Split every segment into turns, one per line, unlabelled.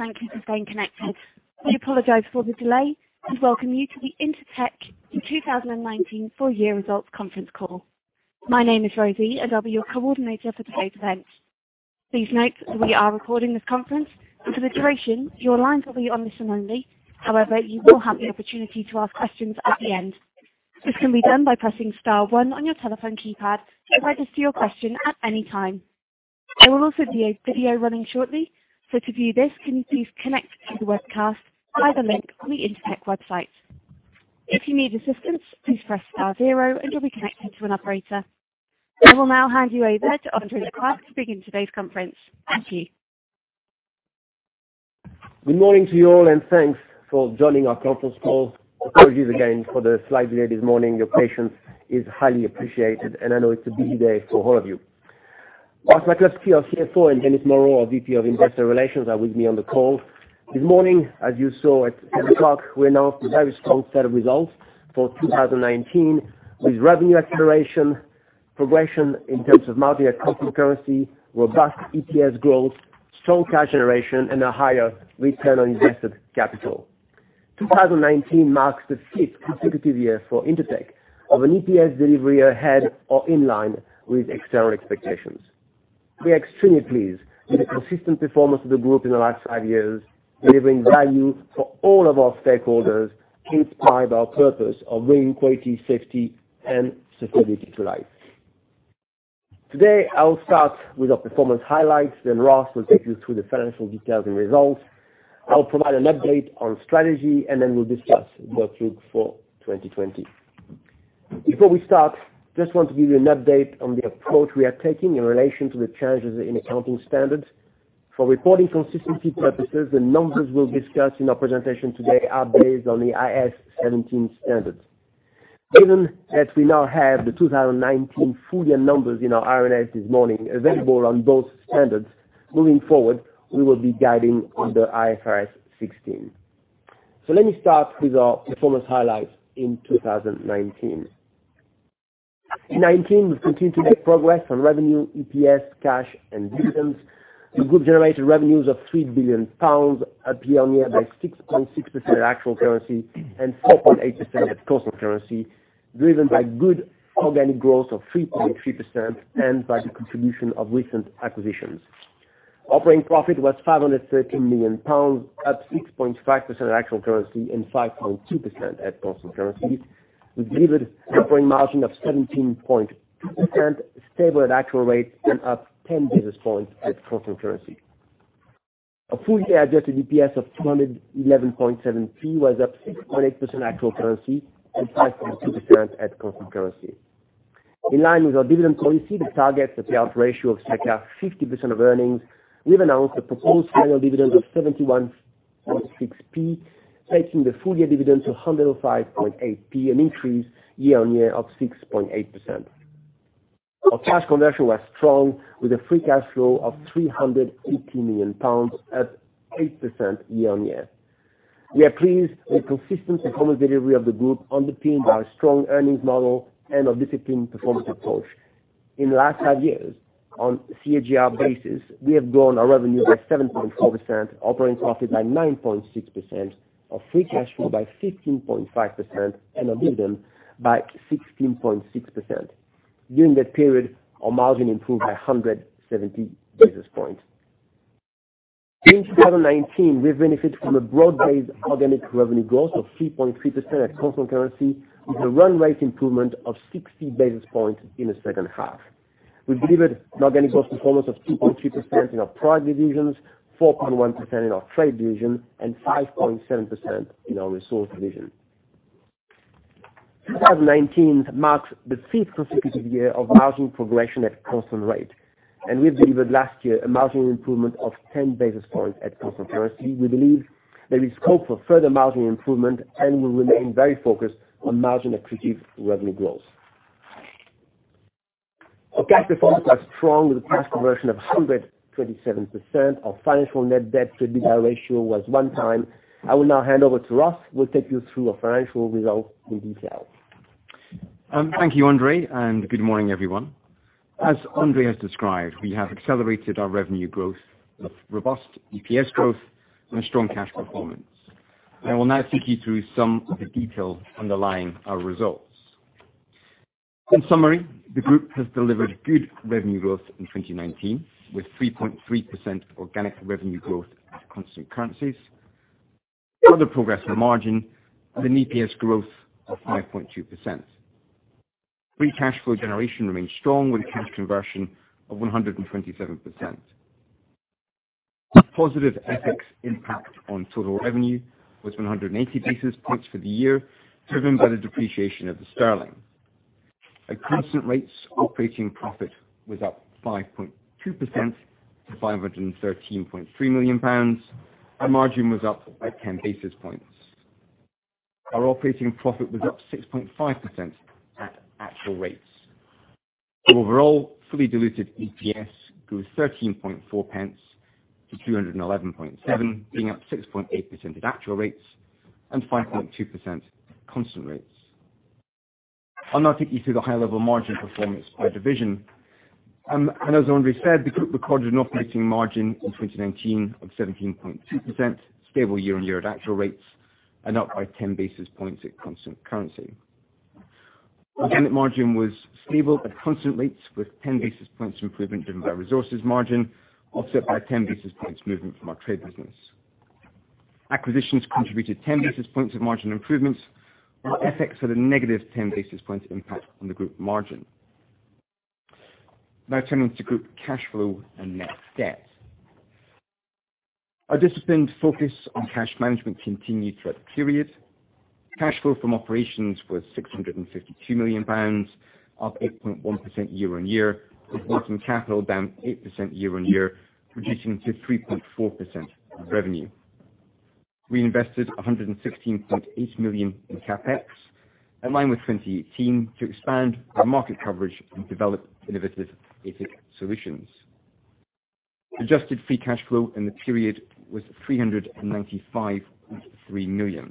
Hello, thank you for staying connected. We apologize for the delay and welcome you to the Intertek 2019 Full Year Results Conference Call. My name is Rosie, and I'll be your coordinator for today's event. Please note that we are recording this conference, and for the duration, your lines will be on listen only. However, you will have the opportunity to ask questions at the end. This can be done by pressing star one on your telephone keypad to register your question at any time. There will also be a video running shortly. To view this, can you please connect to the webcast via the link on the Intertek website. If you need assistance, please press star zero and you'll be connected to an operator. I will now hand you over to André Lacroix to begin today's conference. Thank you.
Good morning to you all. Thanks for joining our conference call. Apologies again for the slight delay this morning. Your patience is highly appreciated, and I know it's a busy day for all of you. Ross McCluskey, our CFO, and Denis Moreau, our VP of Investor Relations, are with me on the call. This morning, as you saw at 10 o'clock, we announced a very strong set of results for 2019, with revenue acceleration, progression in terms of market at constant currency, robust EPS growth, strong cash generation, and a higher return on invested capital. 2019 marks the fifth consecutive year for Intertek of an EPS delivery ahead or in line with external expectations. We are extremely pleased with the consistent performance of the group in the last five years, delivering value for all of our stakeholders, inspired by our purpose of bringing quality, safety, and sustainability to life. Today, I will start with our performance highlights, then Ross will take you through the financial details and results. I will provide an update on strategy, and then we'll discuss the outlook for 2020. Before we start, just want to give you an update on the approach we are taking in relation to the changes in accounting standards. For reporting consistency purposes, the numbers we'll discuss in our presentation today are based on the IAS 17 standards. Given that we now have the 2019 full year numbers in our RNS this morning available on both standards, moving forward, we will be guiding under IFRS 16. Let me start with our performance highlights in 2019. In '19, we continued to make progress on revenue, EPS, cash, and dividends. The group generated revenues of 3 billion pounds, up year-over-year by 6.6% actual currency and 4.8% at constant currency, driven by good organic growth of 3.3% and by the contribution of recent acquisitions. Operating profit was 513 million pounds, up 6.5% actual currency and 5.2% at constant currency. We delivered operating margin of 17.2%, stable at actual rates and up 10 basis points at constant currency. A full year adjusted EPS of 2.117 was up 6.8% actual currency and 5.2% at constant currency. In line with our dividend policy, the payout ratio of circa 50% of earnings, we've announced a proposed final dividend of 0.716, taking the full year dividend to 1.058, an increase year-over-year of 6.8%. Our cash conversion was strong, with a free cash flow of 380 million pounds, up 8% year-over-year. We are pleased with consistent performance delivery of the group underpinned by a strong earnings model and our disciplined performance approach. In the last five years, on CAGR basis, we have grown our revenue by 7.4%, operating profit by 9.6%, our free cash flow by 15.5%, and our dividend by 16.6%. During that period, our margin improved by 170 basis points. In 2019, we benefit from a broad-based organic revenue growth of 3.3% at constant currency, with a run rate improvement of 60 basis points in the second half. We've delivered an organic growth performance of 2.3% in our Products, 4.1% in our GTS division, and 5.7% in our Resource division. 2019 marks the fifth consecutive year of margin progression at constant rate, and we've delivered last year a margin improvement of 10 basis points at constant currency. We believe there is scope for further margin improvement and will remain very focused on margin-accretive revenue growth. Our cash performance was strong, with a cash conversion of 127%. Our financial net debt to EBITDA ratio was one time. I will now hand over to Ross, who will take you through our financial results in detail.
Thank you, André, and good morning, everyone. As André has described, we have accelerated our revenue growth with robust EPS growth and a strong cash performance. I will now take you through some of the detail underlying our results. In summary, the group has delivered good revenue growth in 2019, with 3.3% organic revenue growth at constant currencies. Further progress on margin with an EPS growth of 5.2%. Free cash flow generation remains strong with a cash conversion of 127%. A positive FX impact on total revenue was 180 basis points for the year, driven by the depreciation of the sterling. At constant rates, operating profit was up 5.2% to £513.3 million. Our margin was up by 10 basis points. Our operating profit was up 6.5% at actual rates. Overall, fully diluted EPS grew 0.134 to 2.117, being up 6.8% at actual rates and 5.2% at constant rates. I'll now take you through the high-level margin performance by division. As André said, the group recorded an operating margin in 2019 of 17.2%, stable year-over-year at actual rates and up by 10 basis points at constant currency. Organic margin was stable at constant rates with 10 basis points improvement driven by resources margin, offset by 10 basis points movement from our trade business. Acquisitions contributed 10 basis points of margin improvements, while FX had a negative 10 basis points impact on the group margin. Turning to group cash flow and net debt. Our disciplined focus on cash management continued throughout the period. Cash flow from operations was 652 million pounds, up 8.1% year on year, with working capital down 8% year on year, reducing to 3.4% of revenue. We invested 116.8 million in CapEx, in line with 2018, to expand our market coverage and develop innovative basic solutions. Adjusted free cash flow in the period was 395.3 million,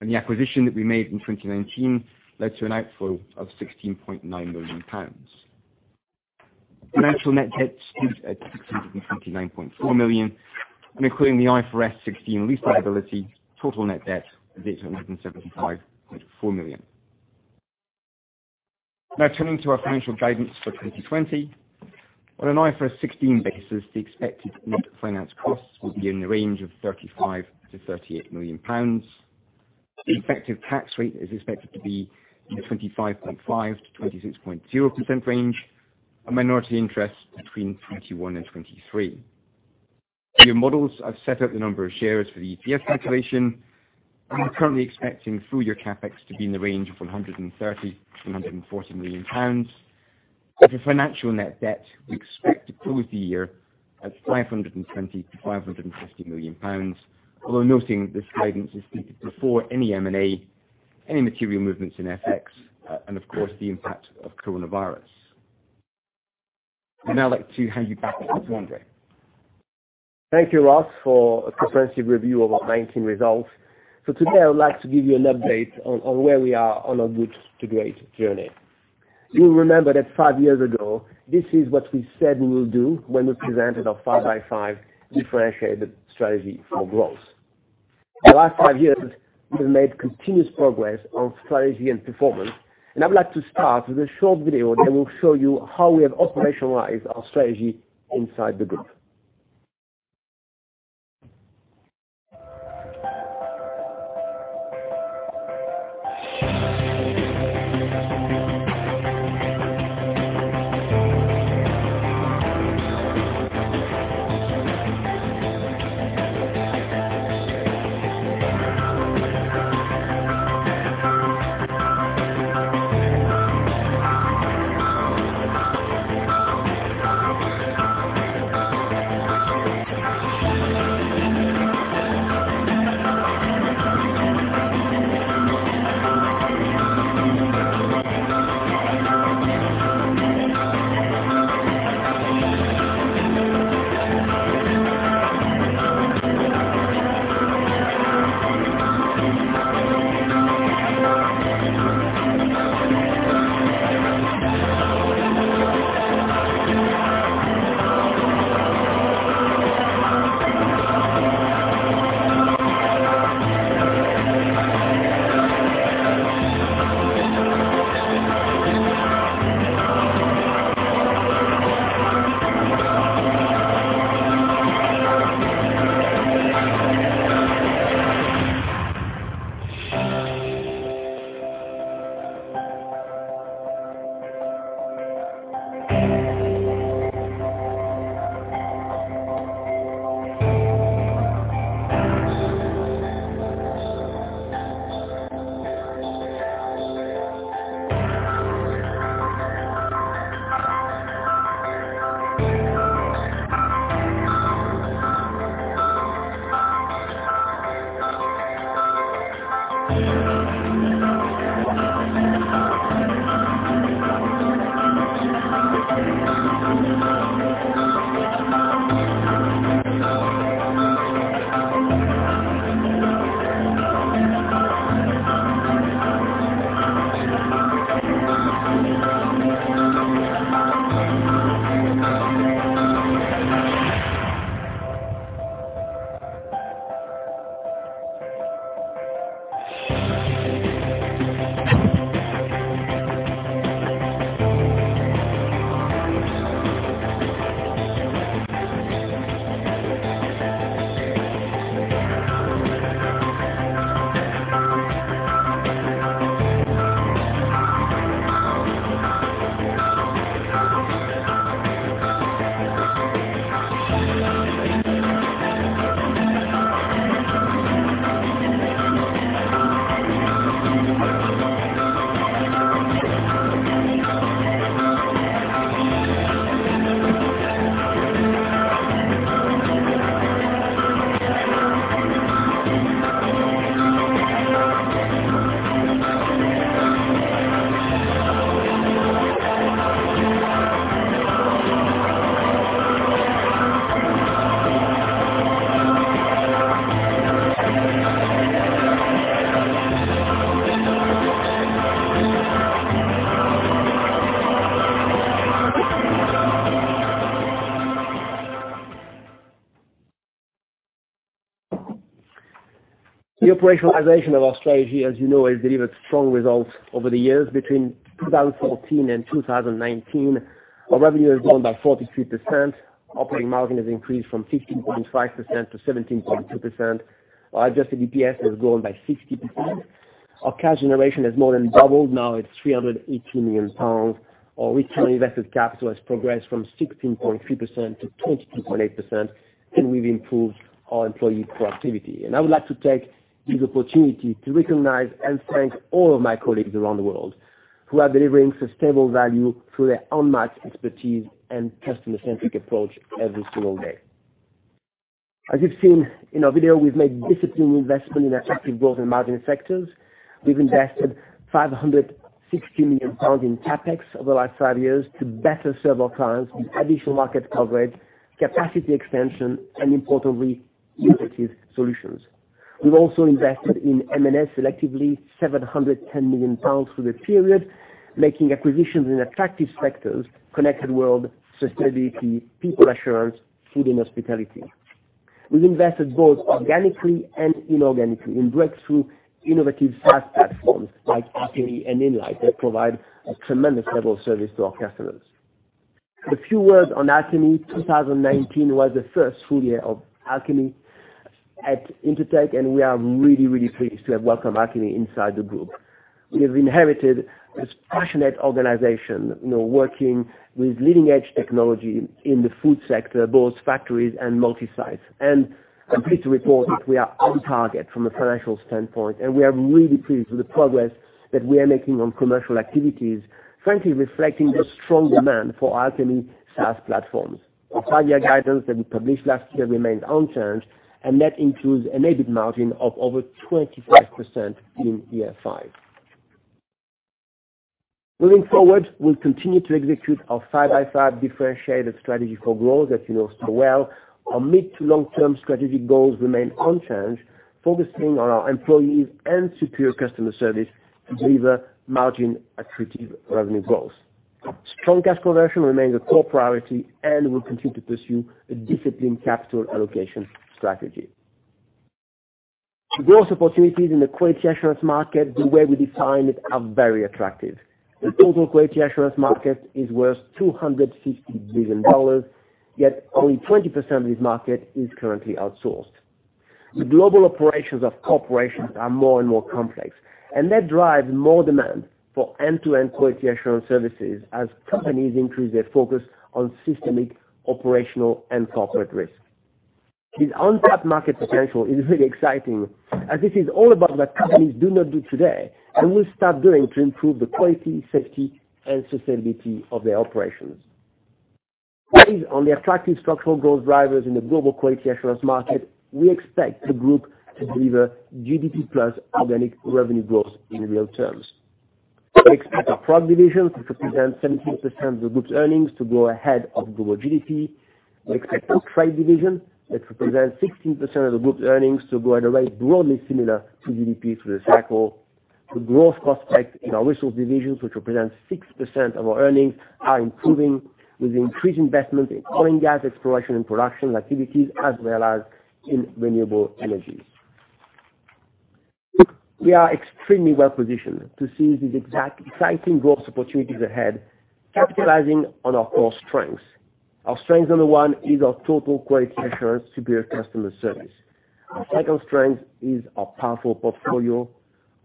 and the acquisition that we made in 2019 led to an outflow of 16.9 million pounds. Financial net debt stood at 629.4 million, and including the IFRS 16 lease liability, total net debt of 875.4 million. Now turning to our financial guidance for 2020. On an IFRS 16 basis, the expected net finance costs will be in the range of 35 million-38 million pounds. The effective tax rate is expected to be in the 25.5%-26.0% range, and minority interest between 21% and 23%. For your models, I've set out the number of shares for the EPS calculation, and we're currently expecting full-year CapEx to be in the range of 130 million to 140 million pounds. For financial net debt, we expect to close the year at 520 million to 550 million pounds, although noting this guidance is stated before any M&A, any material movements in FX, and of course, the impact of coronavirus. I'd now like to hand you back to André.
Thank you, Ross, for a comprehensive review of our 2019 results. Today, I would like to give you an update on where we are on our good to great journey. You will remember that five years ago, this is what we said we will do when we presented our 5x5 differentiated strategy for growth. The last five years, we have made continuous progress on strategy and performance, and I would like to start with a short video that will show you how we have operationalized our strategy inside the group. The operationalization of our strategy, as you know, has delivered strong results over the years. Between 2014 and 2019, our revenue has grown by 43%, operating margin has increased from 15.5% to 17.2%, our adjusted EPS has grown by 60%, our cash generation has more than doubled, now it's 318 million pounds, our return on invested capital has progressed from 16.3% - 22.8%. We've improved our employee productivity. I would like to take this opportunity to recognize and thank all of my colleagues around the world, who are delivering sustainable value through their unmatched expertise and customer-centric approach every single day. As you've seen in our video, we've made disciplined investment in our attractive growth and margin sectors. We've invested 560 million pounds in CapEx over the last five years to better serve our clients with additional market coverage, capacity expansion, and importantly, innovative solutions. We've also invested in M&A selectively, 710 million pounds through the period, making acquisitions in attractive sectors, connected world, sustainability, people assurance, food and hospitality. We've invested both organically and inorganically in breakthrough innovative SaaS platforms like Alchemy and Inlight that provide a tremendous level of service to our customers. A few words on Alchemy. 2019 was the first full year of Alchemy at Intertek, and we are really pleased to have welcomed Alchemy inside the group. We have inherited this passionate organization, working with leading-edge technology in the food sector, both factories and multi-sites. I'm pleased to report that we are on target from a financial standpoint, and we are really pleased with the progress that we are making on commercial activities, frankly reflecting the strong demand for Alchemy SaaS platforms. Our 5-year guidance that we published last year remains unchanged, and that includes an EBIT margin of over 25% in year 5. Moving forward, we'll continue to execute our 5x5 differentiated strategy for growth that you know so well. Our mid to long-term strategic goals remain unchanged, focusing on our employees and superior customer service to deliver margin accretive revenue growth. Strong cash conversion remains a core priority, and we'll continue to pursue a disciplined capital allocation strategy. The growth opportunities in the quality assurance market, the way we define it, are very attractive. The total quality assurance market is worth $250 billion, yet only 20% of this market is currently outsourced. The global operations of corporations are more and more complex, and that drives more demand for end-to-end quality assurance services as companies increase their focus on systemic, operational, and corporate risk. This untapped market potential is really exciting as this is all about what companies do not do today and will start doing to improve the quality, safety, and sustainability of their operations. Based on the attractive structural growth drivers in the global quality assurance market, we expect the group to deliver GDP plus organic revenue growth in real terms. We expect our Products division, which represents 17% of the group's earnings, to grow ahead of global GDP. We expect our Trade division, which represents 16% of the group's earnings, to grow at a rate broadly similar to GDP through the cycle. The growth prospects in our Resource divisions, which represent 6% of our earnings, are improving with increased investment in oil and gas exploration and production activities, as well as in renewable energy. We are extremely well-positioned to seize these exciting growth opportunities ahead, capitalizing on our core strengths. Our strength number one is our Total Quality Assurance superior customer service. Our second strength is our powerful portfolio.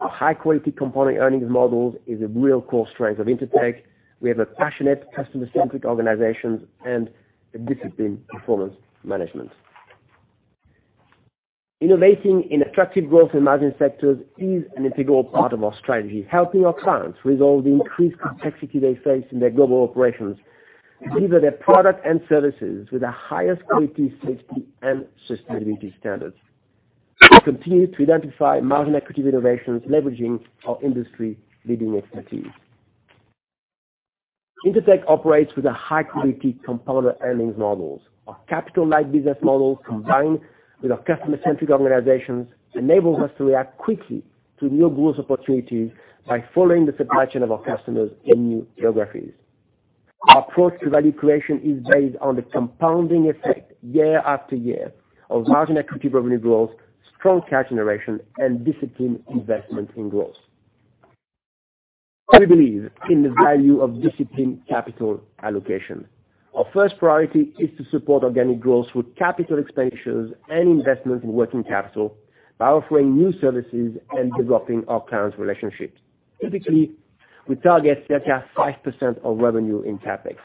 Our high-quality component earnings models is a real core strength of Intertek. We have a passionate, customer-centric organization and a disciplined performance management. Innovating in attractive growth and margin sectors is an integral part of our strategy, helping our clients resolve the increased complexity they face in their global operations, and deliver their product and services with the highest quality, safety, and sustainability standards. We continue to identify margin-accretive innovations leveraging our industry-leading expertise. Intertek operates with a high-quality component earnings models. Our capital-light business model, combined with our customer-centric organizations, enables us to react quickly to new growth opportunities by following the supply chain of our customers in new geographies. Our approach to value creation is based on the compounding effect, year after year, of margin-accretive revenue growth, strong cash generation, and disciplined investment in growth. We believe in the value of disciplined capital allocation. Our first priority is to support organic growth with capital expenditures and investment in working capital by offering new services and developing our clients' relationships. Typically, we target circa 5% of revenue in CapEx.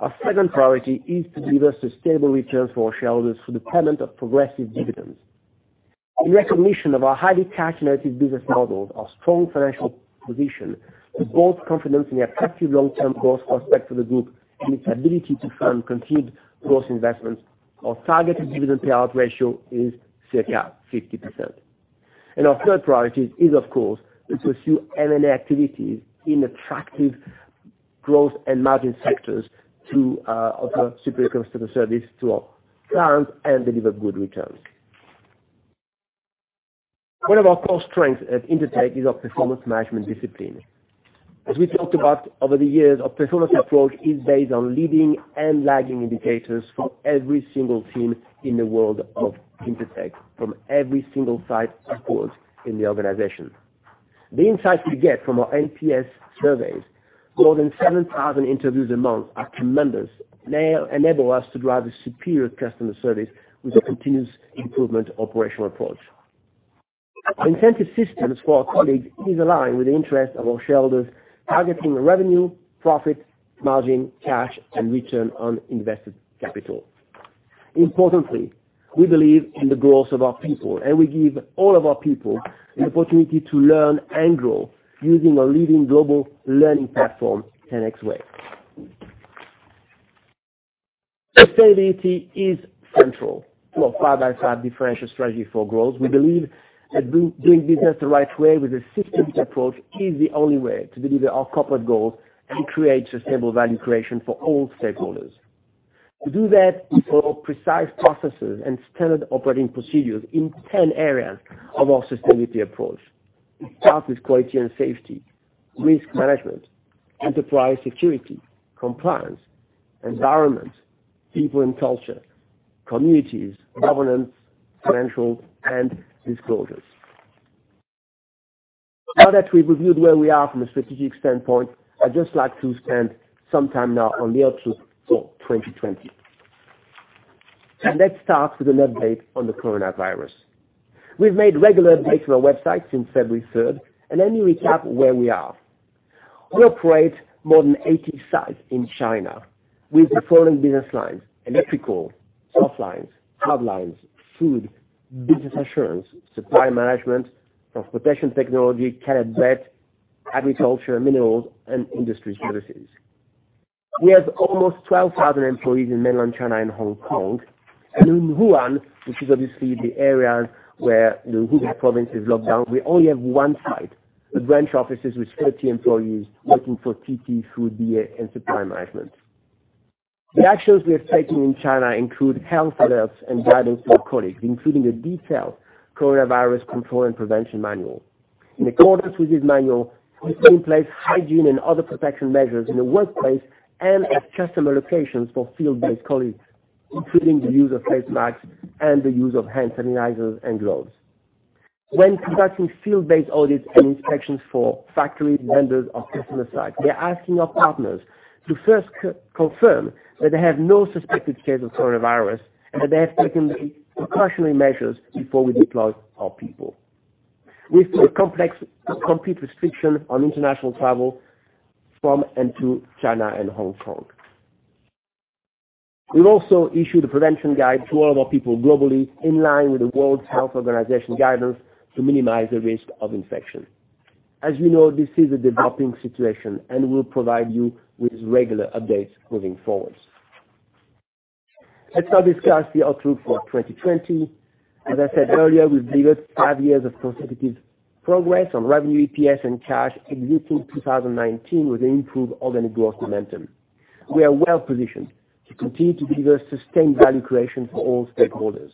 Our second priority is to deliver sustainable returns for our shareholders through the payment of progressive dividends. In recognition of our highly cash-generative business model, our strong financial position, with both confidence in the attractive long-term growth prospects for the group and its ability to fund continued growth investments, our targeted dividend payout ratio is circa 50%. Our third priority is, of course, to pursue M&A activities in attractive growth and margin sectors to offer superior customer service to our clients and deliver good returns. One of our core strengths at Intertek is our performance management discipline. As we talked about over the years, our performance approach is based on leading and lagging indicators for every single team in the world of Intertek, from every single site upwards in the organization. The insights we get from our NPS surveys, more than 7,000 interviews a month, are tremendous, and they enable us to drive a superior customer service with a continuous improvement operational approach. Our incentive systems for our colleagues is aligned with the interest of our shareholders, targeting revenue, profit, margin, cash, and return on invested capital. Importantly, we believe in the growth of our people, and we give all of our people the opportunity to learn and grow using our leading global learning platform, 10X Way!. Sustainability is central to our side-by-side differential strategy for growth. We believe that doing business the right way with a systematic approach is the only way to deliver our corporate goals and create sustainable value creation for all stakeholders. To do that, we follow precise processes and standard operating procedures in 10 areas of our sustainability approach. It starts with quality and safety, risk management, enterprise security, compliance, environment, people and culture, communities, governance, financial, and disclosures. Now that we've reviewed where we are from a strategic standpoint, I'd just like to spend some time now on the outlook for 2020. Let's start with an update on the coronavirus. We've made regular updates to our website since February 3rd, and let me recap where we are. We operate more than 80 sites in China with the following business lines: electrical, softlines, hardlines, food, Business Assurance, supply management, Transportation Technologies, Caleb Brett, AgriWorld, minerals, and industry services. We have almost 12,000 employees in mainland China and Hong Kong. In Wuhan, which is obviously the area where the Hubei province is locked down, we only have one site, a branch office with 30 employees working for TT, food, DA, and supply management. The actions we have taken in China include health alerts and guidance to our colleagues, including a detailed coronavirus control and prevention manual. In accordance with this manual, we put in place hygiene and other protection measures in the workplace and at customer locations for field-based colleagues, including the use of face masks and the use of hand sanitizers and gloves. When conducting field-based audits and inspections for factories, vendors, or customer sites, we are asking our partners to first confirm that they have no suspected case of coronavirus, and that they have taken the precautionary measures before we deploy our people. We've put a complete restriction on international travel from and to China and Hong Kong. We've also issued a prevention guide to all of our people globally, in line with the World Health Organization guidance, to minimize the risk of infection. As you know, this is a developing situation, and we'll provide you with regular updates moving forward. Let's now discuss the outlook for 2020. As I said earlier, we've delivered five years of consecutive progress on revenue, EPS, and cash exiting 2019 with an improved organic growth momentum. We are well positioned to continue to deliver sustained value creation for all stakeholders.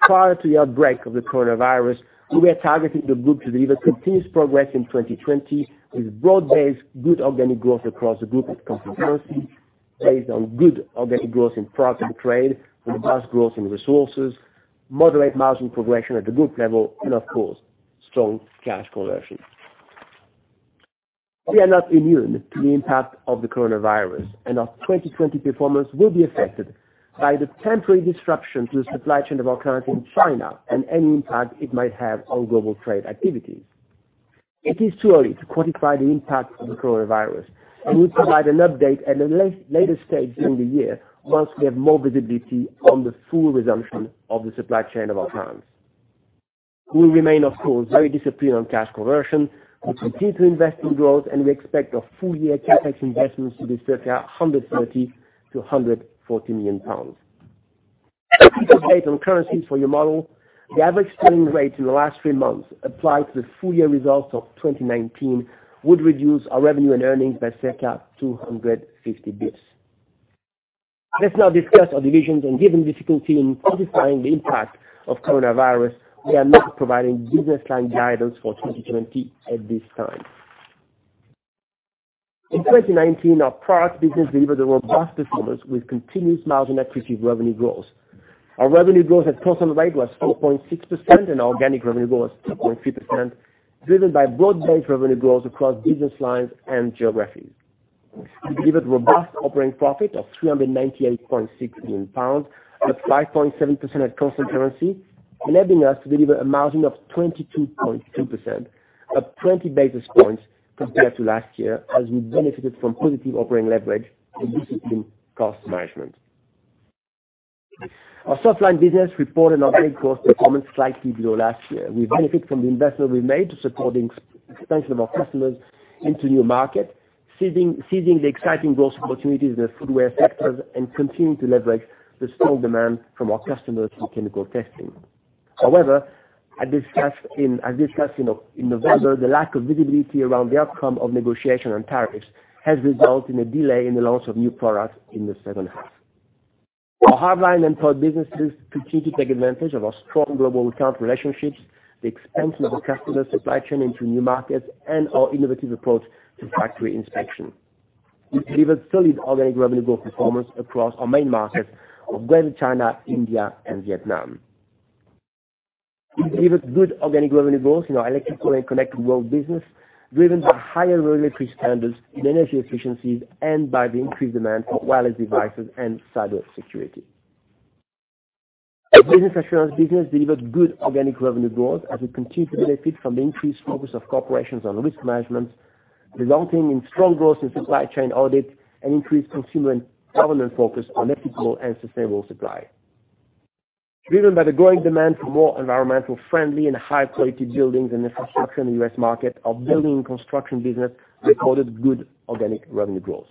Prior to the outbreak of the coronavirus, we were targeting the group to deliver continuous progress in 2020 with broad-based good organic growth across the group at constant currency, based on good organic growth in Products and Trade with robust growth in Resources, moderate margin progression at the group level, and of course, strong cash conversion. We are not immune to the impact of the coronavirus, and our 2020 performance will be affected by the temporary disruption to the supply chain of our clients in China, and any impact it might have on global trade activities. It is too early to quantify the impact of the coronavirus, and we'll provide an update at a later stage in the year once we have more visibility on the full resumption of the supply chain of our clients. We will remain, of course, very disciplined on cash conversion. We continue to invest in growth, and we expect our full-year CapEx investments to be circa £130 million-£140 million. A quick update on currencies for your model. The average sterling rate in the last three months applied to the full-year results of 2019 would reduce our revenue and earnings by circa 250 basis. Let's now discuss our divisions, and given the difficulty in quantifying the impact of coronavirus, we are not providing business line guidance for 2020 at this time. In 2019, our Products business delivered a robust performance with continuous margin accretive revenue growth. Our revenue growth at constant rate was 4.6%, and our organic revenue growth was 2.3%, driven by broad-based revenue growth across business lines and geographies. We delivered robust operating profit of 398.6 million pounds, up 5.7% at constant currency, enabling us to deliver a margin of 22.2%, up 20 basis points compared to last year, as we benefited from positive operating leverage and disciplined cost management. Our Softlines business reported operating cost performance slightly below last year. We benefit from the investment we made to supporting Expansion of our customers into new markets, seizing the exciting growth opportunities in the footwear sectors, and continuing to leverage the strong demand from our customers for chemical testing. As discussed in November, the lack of visibility around the outcome of negotiation on tariffs has resulted in a delay in the launch of new products in the second half. Our Hardline and Products businesses continue to take advantage of our strong global account relationships, the expansion of the customer supply chain into new markets, and our innovative approach to factory inspection. We delivered solid organic revenue growth performance across our main markets of Greater China, India, and Vietnam. We delivered good organic revenue growth in our electrical and Connected World business, driven by higher regulatory standards in energy efficiencies and by the increased demand for wireless devices and cybersecurity. Our Business Assurance business delivered good organic revenue growth as we continue to benefit from the increased focus of corporations on risk management, resulting in strong growth in supply chain audit and increased consumer and government focus on ethical and sustainable supply. Driven by the growing demand for more environmental friendly and high-quality buildings and infrastructure in the U.S. market, our Building and Construction business recorded good organic revenue growth.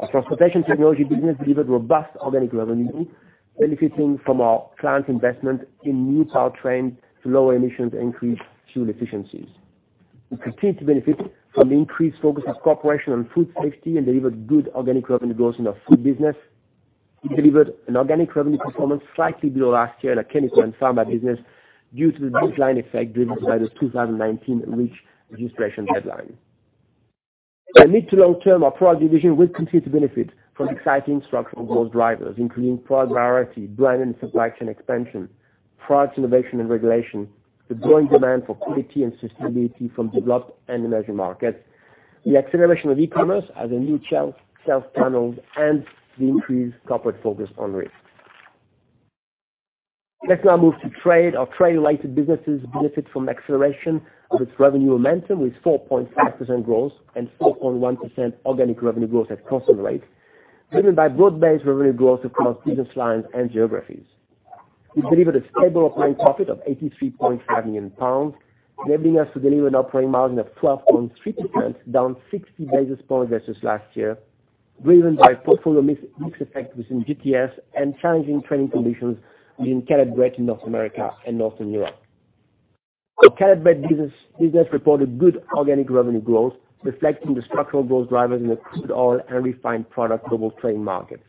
Our transportation technology business delivered robust organic revenue growth, benefiting from our client investment in new powertrains to lower emissions and increase fuel efficiencies. We continue to benefit from the increased focus of corporation on food safety and delivered good organic revenue growth in our food business. We delivered an organic revenue performance slightly below last year in our chemical and pharma business due to the baseline effect driven by the 2019 REACH registration deadline. In the mid to long term, our Products division will continue to benefit from exciting structural growth drivers, including product variety, brand and supply chain expansion, product innovation and regulation, the growing demand for quality and sustainability from developed and emerging markets, the acceleration of e-commerce as a new sales channel, and the increased corporate focus on risk. Let's now move to trade. Our trade-related businesses benefit from acceleration of its revenue momentum with 4.5% growth and 4.1% organic revenue growth at constant rate, driven by broad-based revenue growth across business lines and geographies. We delivered a stable operating profit of 83.5 million pounds, enabling us to deliver an operating margin of 12.3%, down 60 basis points versus last year, driven by a portfolio mix effect within GTS and challenging trading conditions within Caleb Brett in North America and Northern Europe. Our Caleb Brett business reported good organic revenue growth, reflecting the structural growth drivers in the crude oil and refined product global trade markets.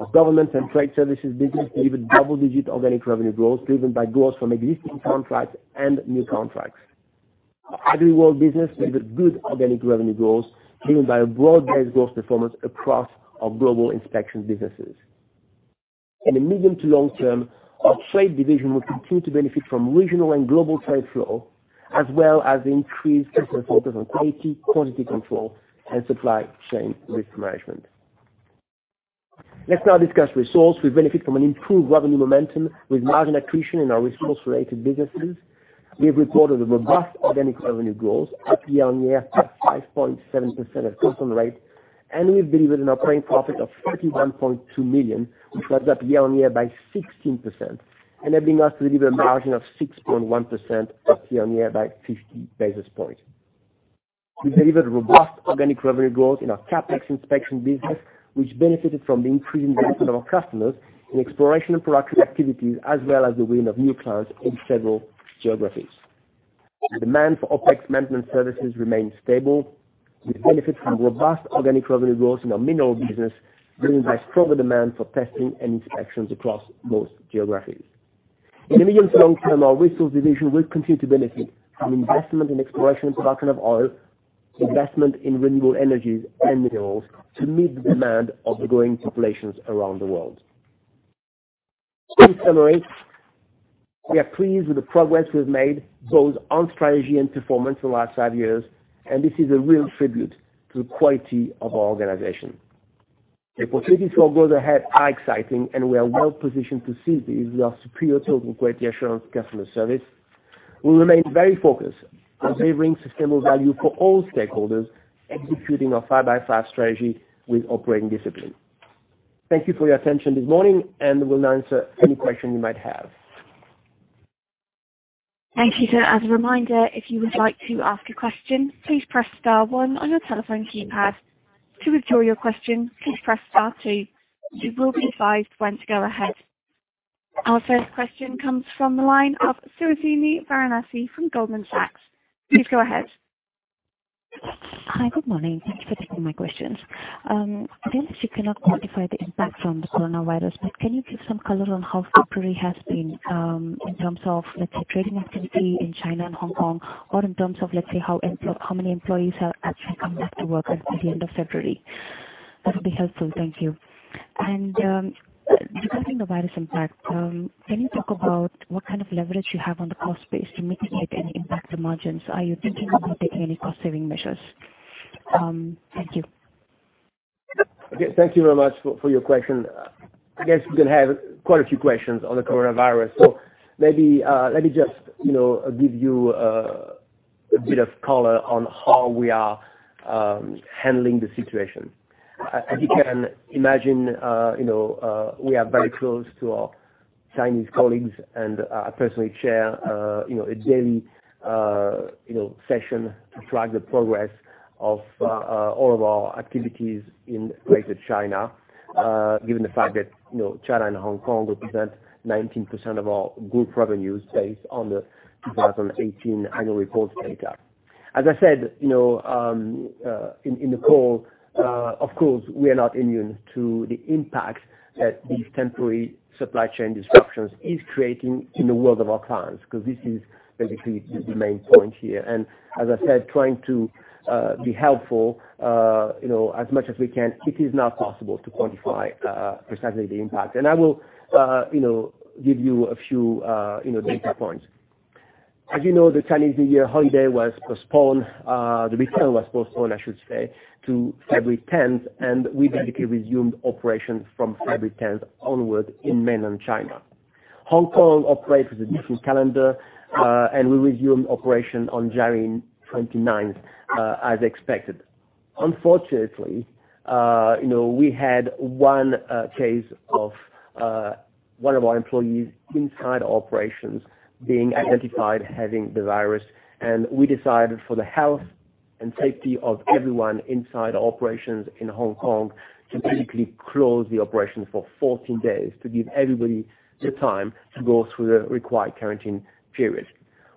Our Government and Trade Services business delivered double-digit organic revenue growth, driven by growth from existing contracts and new contracts. Our AgriWorld business delivered good organic revenue growth, driven by a broad-based growth performance across our global inspection businesses. In the medium to long term, our trade division will continue to benefit from regional and global trade flow as well as increased customer focus on quality, quantity control, and supply chain risk management. Let's now discuss resource. We benefit from an improved revenue momentum with margin accretion in our resource-related businesses. We have recorded a robust organic revenue growth up year-on-year of 5.7% at constant rate, and we've delivered an operating profit of 31.2 million, which was up year-on-year by 16%, enabling us to deliver a margin of 6.1%, up year-on-year by 50 basis points. We delivered robust organic revenue growth in our CapEx inspection business, which benefited from the increasing investment of our customers in exploration and production activities, as well as the win of new clients in several geographies. The demand for OpEx maintenance services remained stable. We benefit from robust organic revenue growth in our mineral business, driven by stronger demand for testing and inspections across most geographies. In the medium to long term, our resource division will continue to benefit from investment in exploration and production of oil, investment in renewable energies and minerals to meet the demand of the growing populations around the world. To summarize, we are pleased with the progress we've made both on strategy and performance for the last five years, and this is a real tribute to the quality of our organization. The opportunities for growth ahead are exciting, and we are well positioned to seize these with our superior total quality assurance customer service. We remain very focused on delivering sustainable value for all stakeholders, executing our 5x5 strategy with operating discipline. Thank you for your attention this morning, and we'll now answer any question you might have.
Thank you, sir. As a reminder, if you would like to ask a question, please press star one on your telephone keypad. To withdraw your question, please press star two. You will be advised when to go ahead. Our first question comes from the line of Suhasini Varanasi from Goldman Sachs. Please go ahead.
Hi. Good morning. Thank you for taking my questions. I know that you cannot quantify the impact from the coronavirus, but can you give some color on how February has been in terms of, let's say, trading activity in China and Hong Kong, or in terms of, let's say, how many employees have actually come back to work as at the end of February? That would be helpful. Thank you. Regarding the virus impact, can you talk about what kind of leverage you have on the cost base to mitigate any impact to margins? Are you thinking about taking any cost-saving measures? Thank you.
Okay. Thank you very much for your question. I guess we're going to have quite a few questions on the coronavirus, so maybe let me just give you a bit of color on how we are handling the situation. As you can imagine, we are very close to our Chinese colleagues and I personally chair a daily session to track the progress of all of our activities in Greater China, given the fact that China and Hong Kong represent 19% of our group revenues, based on the 2018 annual report data. As I said in the call, of course, we are not immune to the impact that these temporary supply chain disruptions is creating in the world of our clients, because this is basically the main point here. As I said, trying to be helpful as much as we can, it is not possible to quantify precisely the impact. I will give you a few data points. As you know, the Chinese New Year holiday was postponed. The weekend was postponed, I should say, to February 10th, and we basically resumed operations from February 10th onwards in Mainland China. Hong Kong operates with a different calendar, and we resumed operation on January 29th, as expected. Unfortunately, we had one case of one of our employees inside operations being identified having the virus, and we decided for the health and safety of everyone inside operations in Hong Kong to basically close the operation for 14 days to give everybody the time to go through the required quarantine period.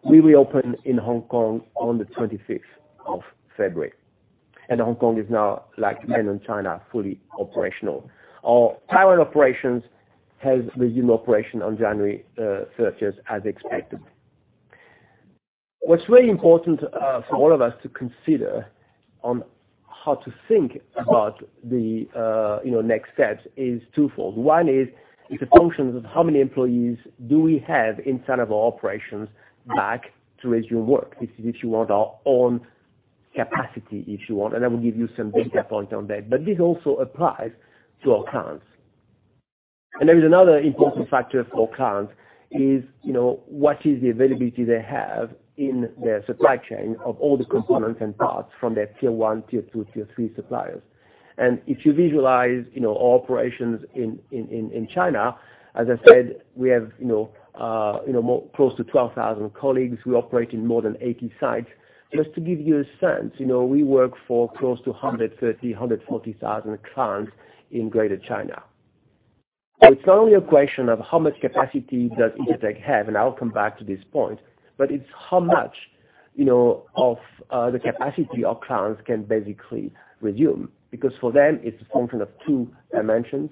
We reopened in Hong Kong on the 26th of February, and Hong Kong is now, like Mainland China, fully operational. Our Taiwan operations has resumed operation on January 30th, as expected. What's really important for all of us to consider on how to think about the next steps is twofold. One is, it's a function of how many employees do we have inside of our operations back to resume work. This is if you want our own capacity, and I will give you some data points on that. This also applies to our clients. There is another important factor for clients is, what is the availability they have in their supply chain of all the components and parts from their tier 1, tier 2, tier 3 suppliers. If you visualize our operations in China, as I said, we have close to 12,000 colleagues. We operate in more than 80 sites. Just to give you a sense, we work for close to 130,000, 140,000 clients in Greater China. It's not only a question of how much capacity does Intertek have, and I'll come back to this point, but it's how much of the capacity our clients can basically resume. For them, it's a function of two dimensions.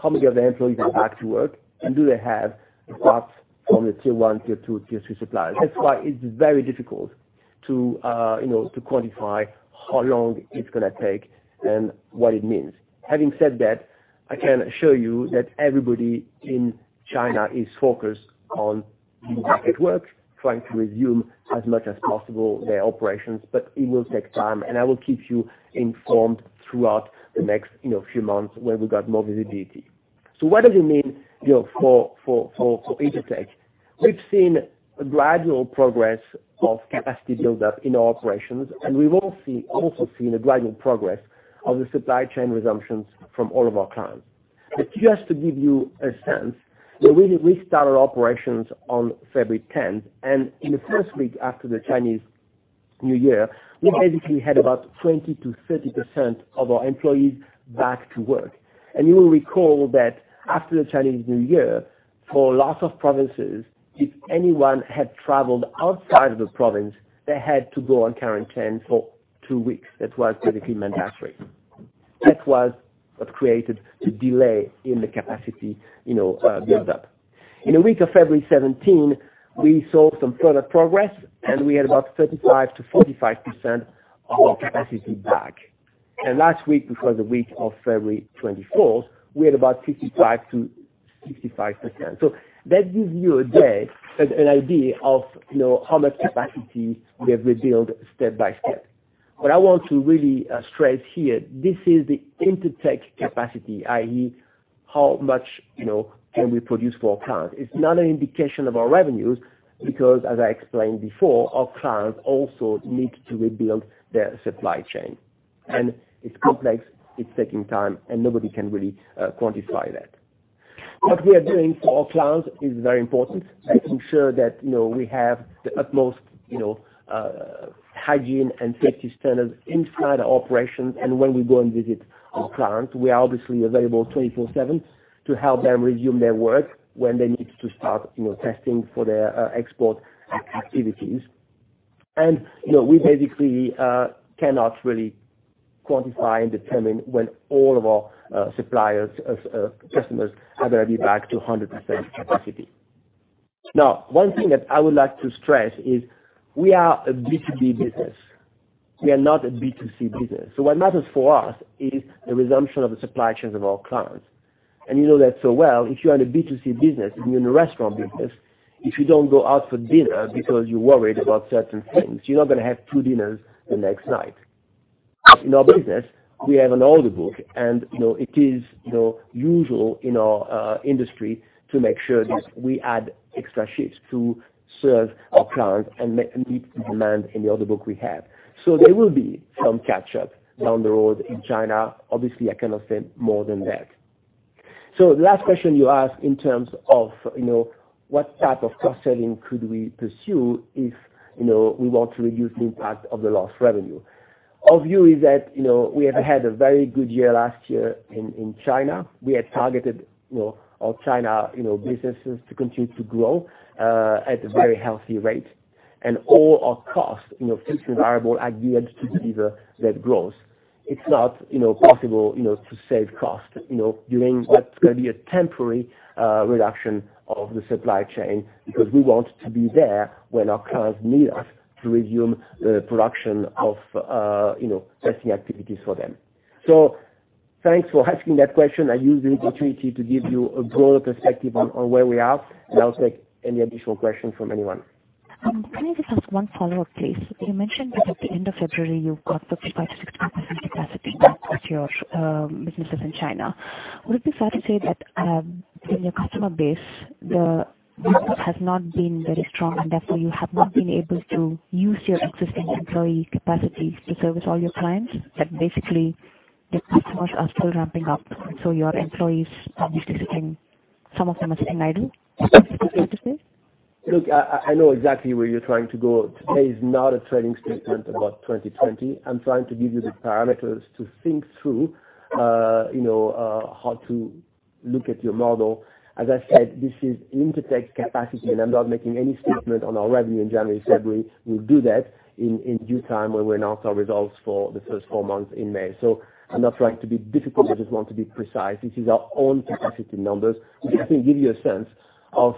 How many of their employees are back to work, and do they have the parts from the tier 1, tier 2, tier 3 suppliers? That's why it's very difficult to quantify how long it's going to take and what it means. Having said that, I can assure you that everybody in China is focused on being back at work, trying to resume as much as possible their operations, but it will take time, and I will keep you informed throughout the next few months when we got more visibility. What does it mean for Intertek? We've seen a gradual progress of capacity build-up in our operations, and we've also seen a gradual progress of the supply chain resumptions from all of our clients. Just to give you a sense, we restarted operations on February 10th. In the first week after the Chinese New Year, we basically had about 20%-30% of our employees back to work. You will recall that after the Chinese New Year, for lots of provinces, if anyone had traveled outside of the province, they had to go on quarantine for two weeks. That was basically mandatory. That was what created the delay in the capacity build-up. In the week of February 17, we saw some further progress, and we had about 35%-45% of our capacity back. Last week, which was the week of February 24th, we had about 55%-65%. That gives you an idea of how much capacity we have rebuilt step by step. What I want to really stress here, this is the Intertek capacity, i.e., how much can we produce for our clients. It's not an indication of our revenues, because as I explained before, our clients also need to rebuild their supply chain. It's complex, it's taking time, and nobody can really quantify that. What we are doing for our clients is very important, making sure that we have the utmost hygiene and safety standards inside our operations and when we go and visit our clients. We are obviously available 24/7 to help them resume their work when they need to start testing for their export activities. We basically cannot really quantify and determine when all of our suppliers, customers are going to be back to 100% capacity. One thing that I would like to stress is we are a B2B business. We are not a B2C business. What matters for us is the resumption of the supply chains of our clients. You know that so well, if you are in a B2C business, if you're in a restaurant business, if you don't go out for dinner because you're worried about certain things, you're not going to have two dinners the next night. In our business, we have an order book, and it is usual in our industry to make sure that we add extra shifts to serve our clients and meet the demand in the order book we have. There will be some catch-up down the road in China. Obviously, I cannot say more than that. The last question you asked in terms of what type of cost-saving could we pursue if we want to reduce the impact of the lost revenue. Our view is that we have had a very good year last year in China. We had targeted our China businesses to continue to grow at a very healthy rate, and all our costs, fixed and variable, are geared to deliver that growth. It's not possible to save cost during what's going to be a temporary reduction of the supply chain, because we want to be there when our clients need us to resume production of testing activities for them. Thanks for asking that question. I use this opportunity to give you a broader perspective on where we are, and I'll take any additional questions from anyone.
Can I just ask one follow-up, please? You mentioned that at the end of February, you've got 55%-60% capacity with your businesses in China. Would it be fair to say that, in your customer base, the business has not been very strong, and therefore you have not been able to use your existing employee capacity to service all your clients, that basically your customers are still ramping up, so your employees, obviously some of them are sitting idle? Is that fair to say?
I know exactly where you're trying to go. Today is not a trading statement about 2020. I'm trying to give you the parameters to think through how to look at your model. As I said, this is Intertek capacity. I'm not making any statement on our revenue in January, February. We'll do that in due time when we announce our results for the first four months in May. I'm not trying to be difficult, I just want to be precise. This is our own capacity numbers, which I think give you a sense of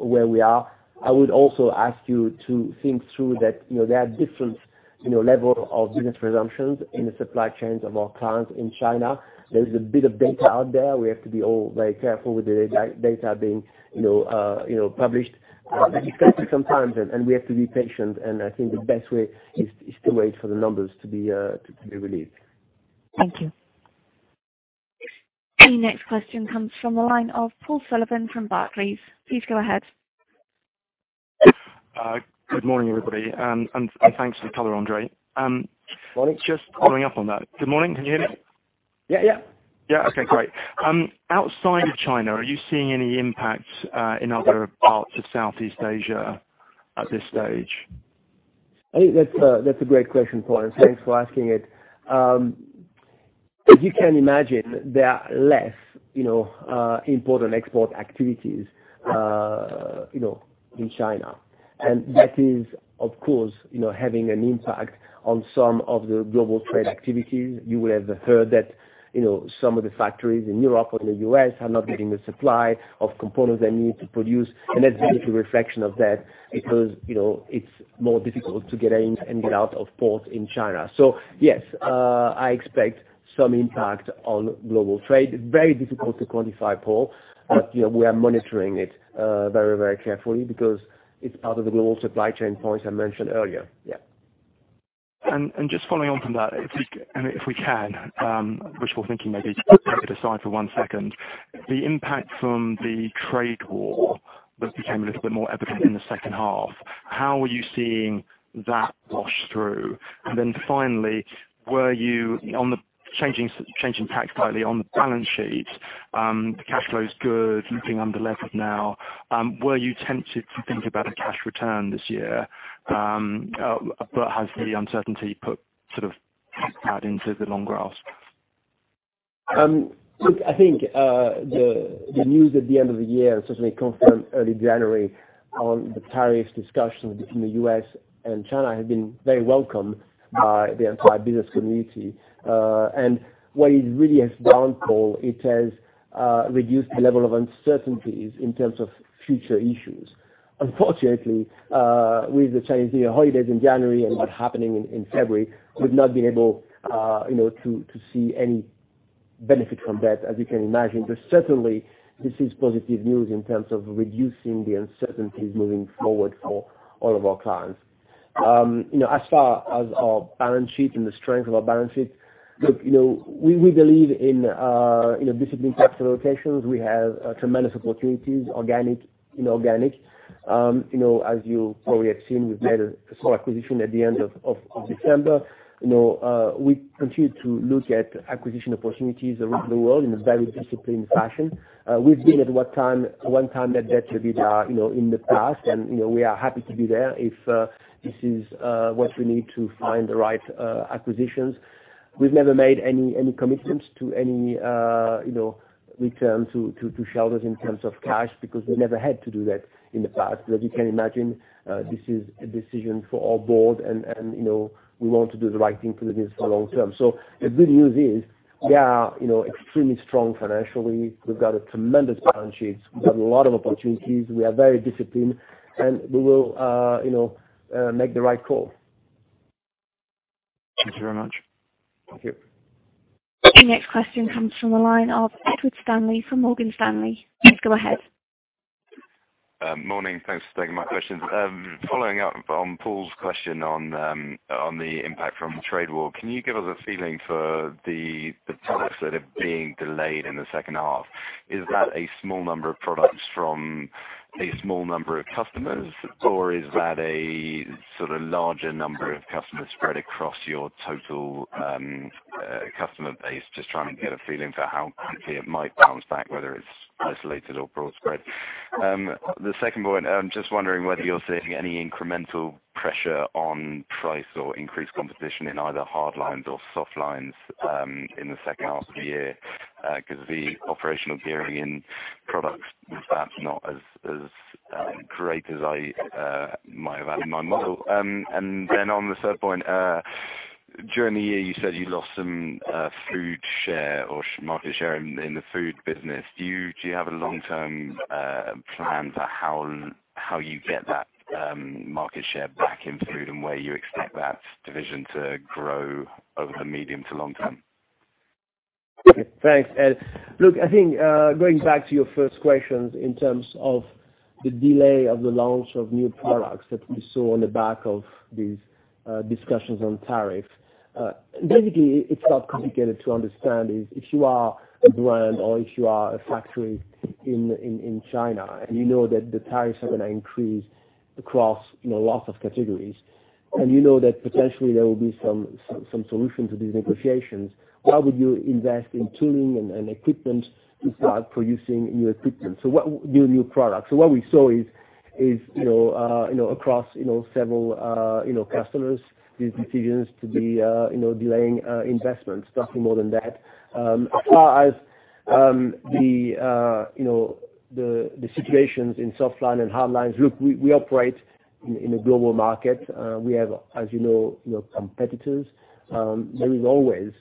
where we are. I would also ask you to think through that there are different level of business resumptions in the supply chains of our clients in China. There is a bit of data out there. We have to be all very careful with the data being published. It's crazy sometimes, and we have to be patient, and I think the best way is to wait for the numbers to be released.
Thank you.
The next question comes from the line of Paul Sullivan from Barclays. Please go ahead.
Good morning, everybody, and thanks for the color, André.
Morning.
Just following up on that. Good morning. Can you hear me?
Yeah.
Yeah? Okay, great. Outside of China, are you seeing any impact in other parts of Southeast Asia at this stage?
I think that's a great question, Paul. Thanks for asking it. As you can imagine, there are less import and export activities in China. That is, of course, having an impact on some of the global trade activities. You would have heard that some of the factories in Europe or in the U.S. are not getting the supply of components they need to produce, and that's basically a reflection of that because it's more difficult to get in and get out of ports in China. Yes, I expect some impact on global trade. It's very difficult to quantify, Paul, but we are monitoring it very carefully because it's part of the global supply chain points I mentioned earlier. Yeah.
Just following on from that, and if we can, wishful thinking, maybe to put it aside for one second, the impact from the trade war that became a little bit more evident in the second half, how are you seeing that wash through? Finally, changing tact slightly, on the balance sheet, the cash flow is good. You're being unlevered now. Were you tempted to think about a cash return this year, but has the uncertainty put sort of that into the long grass?
Look, I think, the news at the end of the year, certainly confirmed early January on the tariff discussions between the U.S. and China, have been very welcome by the entire business community. What it really has done, Paul, it has reduced the level of uncertainties in terms of future issues. Unfortunately, with the Chinese New Year holidays in January and what's happening in February, we've not been able to see any benefit from that, as you can imagine. Certainly, this is positive news in terms of reducing the uncertainties moving forward for all of our clients. As far as our balance sheet and the strength of our balance sheet, look, we believe in disciplined capital allocations. We have tremendous opportunities, organic, inorganic. As you probably have seen, we've made a small acquisition at the end of December. We continue to look at acquisition opportunities around the world in a very disciplined fashion. We've been at one time net debtor/creditor in the past. We are happy to be there if this is what we need to find the right acquisitions. We've never made any commitments to any return to shareholders in terms of cash, because we never had to do that in the past. As you can imagine, this is a decision for our board. We want to do the right thing for the business for the long term. The good news is we are extremely strong financially. We've got a tremendous balance sheet. We've got a lot of opportunities. We are very disciplined. We will make the right call.
Thank you very much.
Thank you.
The next question comes from the line of Edward Stanley from Morgan Stanley. Please go ahead.
Morning. Thanks for taking my questions. Following up on Paul's question on the impact from the trade war, can you give us a feeling for the products that are being delayed in the second half? Is that a small number of products from a small number of customers, or is that a larger number of customers spread across your total customer base? Just trying to get a feeling for how quickly it might bounce back, whether it's isolated or broad spread. The second point, I'm just wondering whether you're seeing any incremental pressure on price or increased competition in either hard lines or soft lines, in the second half of the year. The operational gearing in products was perhaps not as great as I might have had in my model. On the third point, during the year, you said you lost some food share or market share in the food business. Do you have a long-term plan for how you get that market share back in food and where you expect that division to grow over the medium to long term?
Okay, thanks. Ed. Look, I think, going back to your first questions in terms of the delay of the launch of new products that we saw on the back of these discussions on tariff. Basically, it's not complicated to understand is if you are a brand or if you are a factory in China, and you know that the tariffs are going to increase across lots of categories, and you know that potentially there will be some solution to these negotiations, why would you invest in tooling and equipment to start producing new products? What we saw is across several customers, these decisions to be delaying investments, nothing more than that. As far as the situations in soft line and hard lines, look, we operate in a global market. We have, as you know, competitors. There is always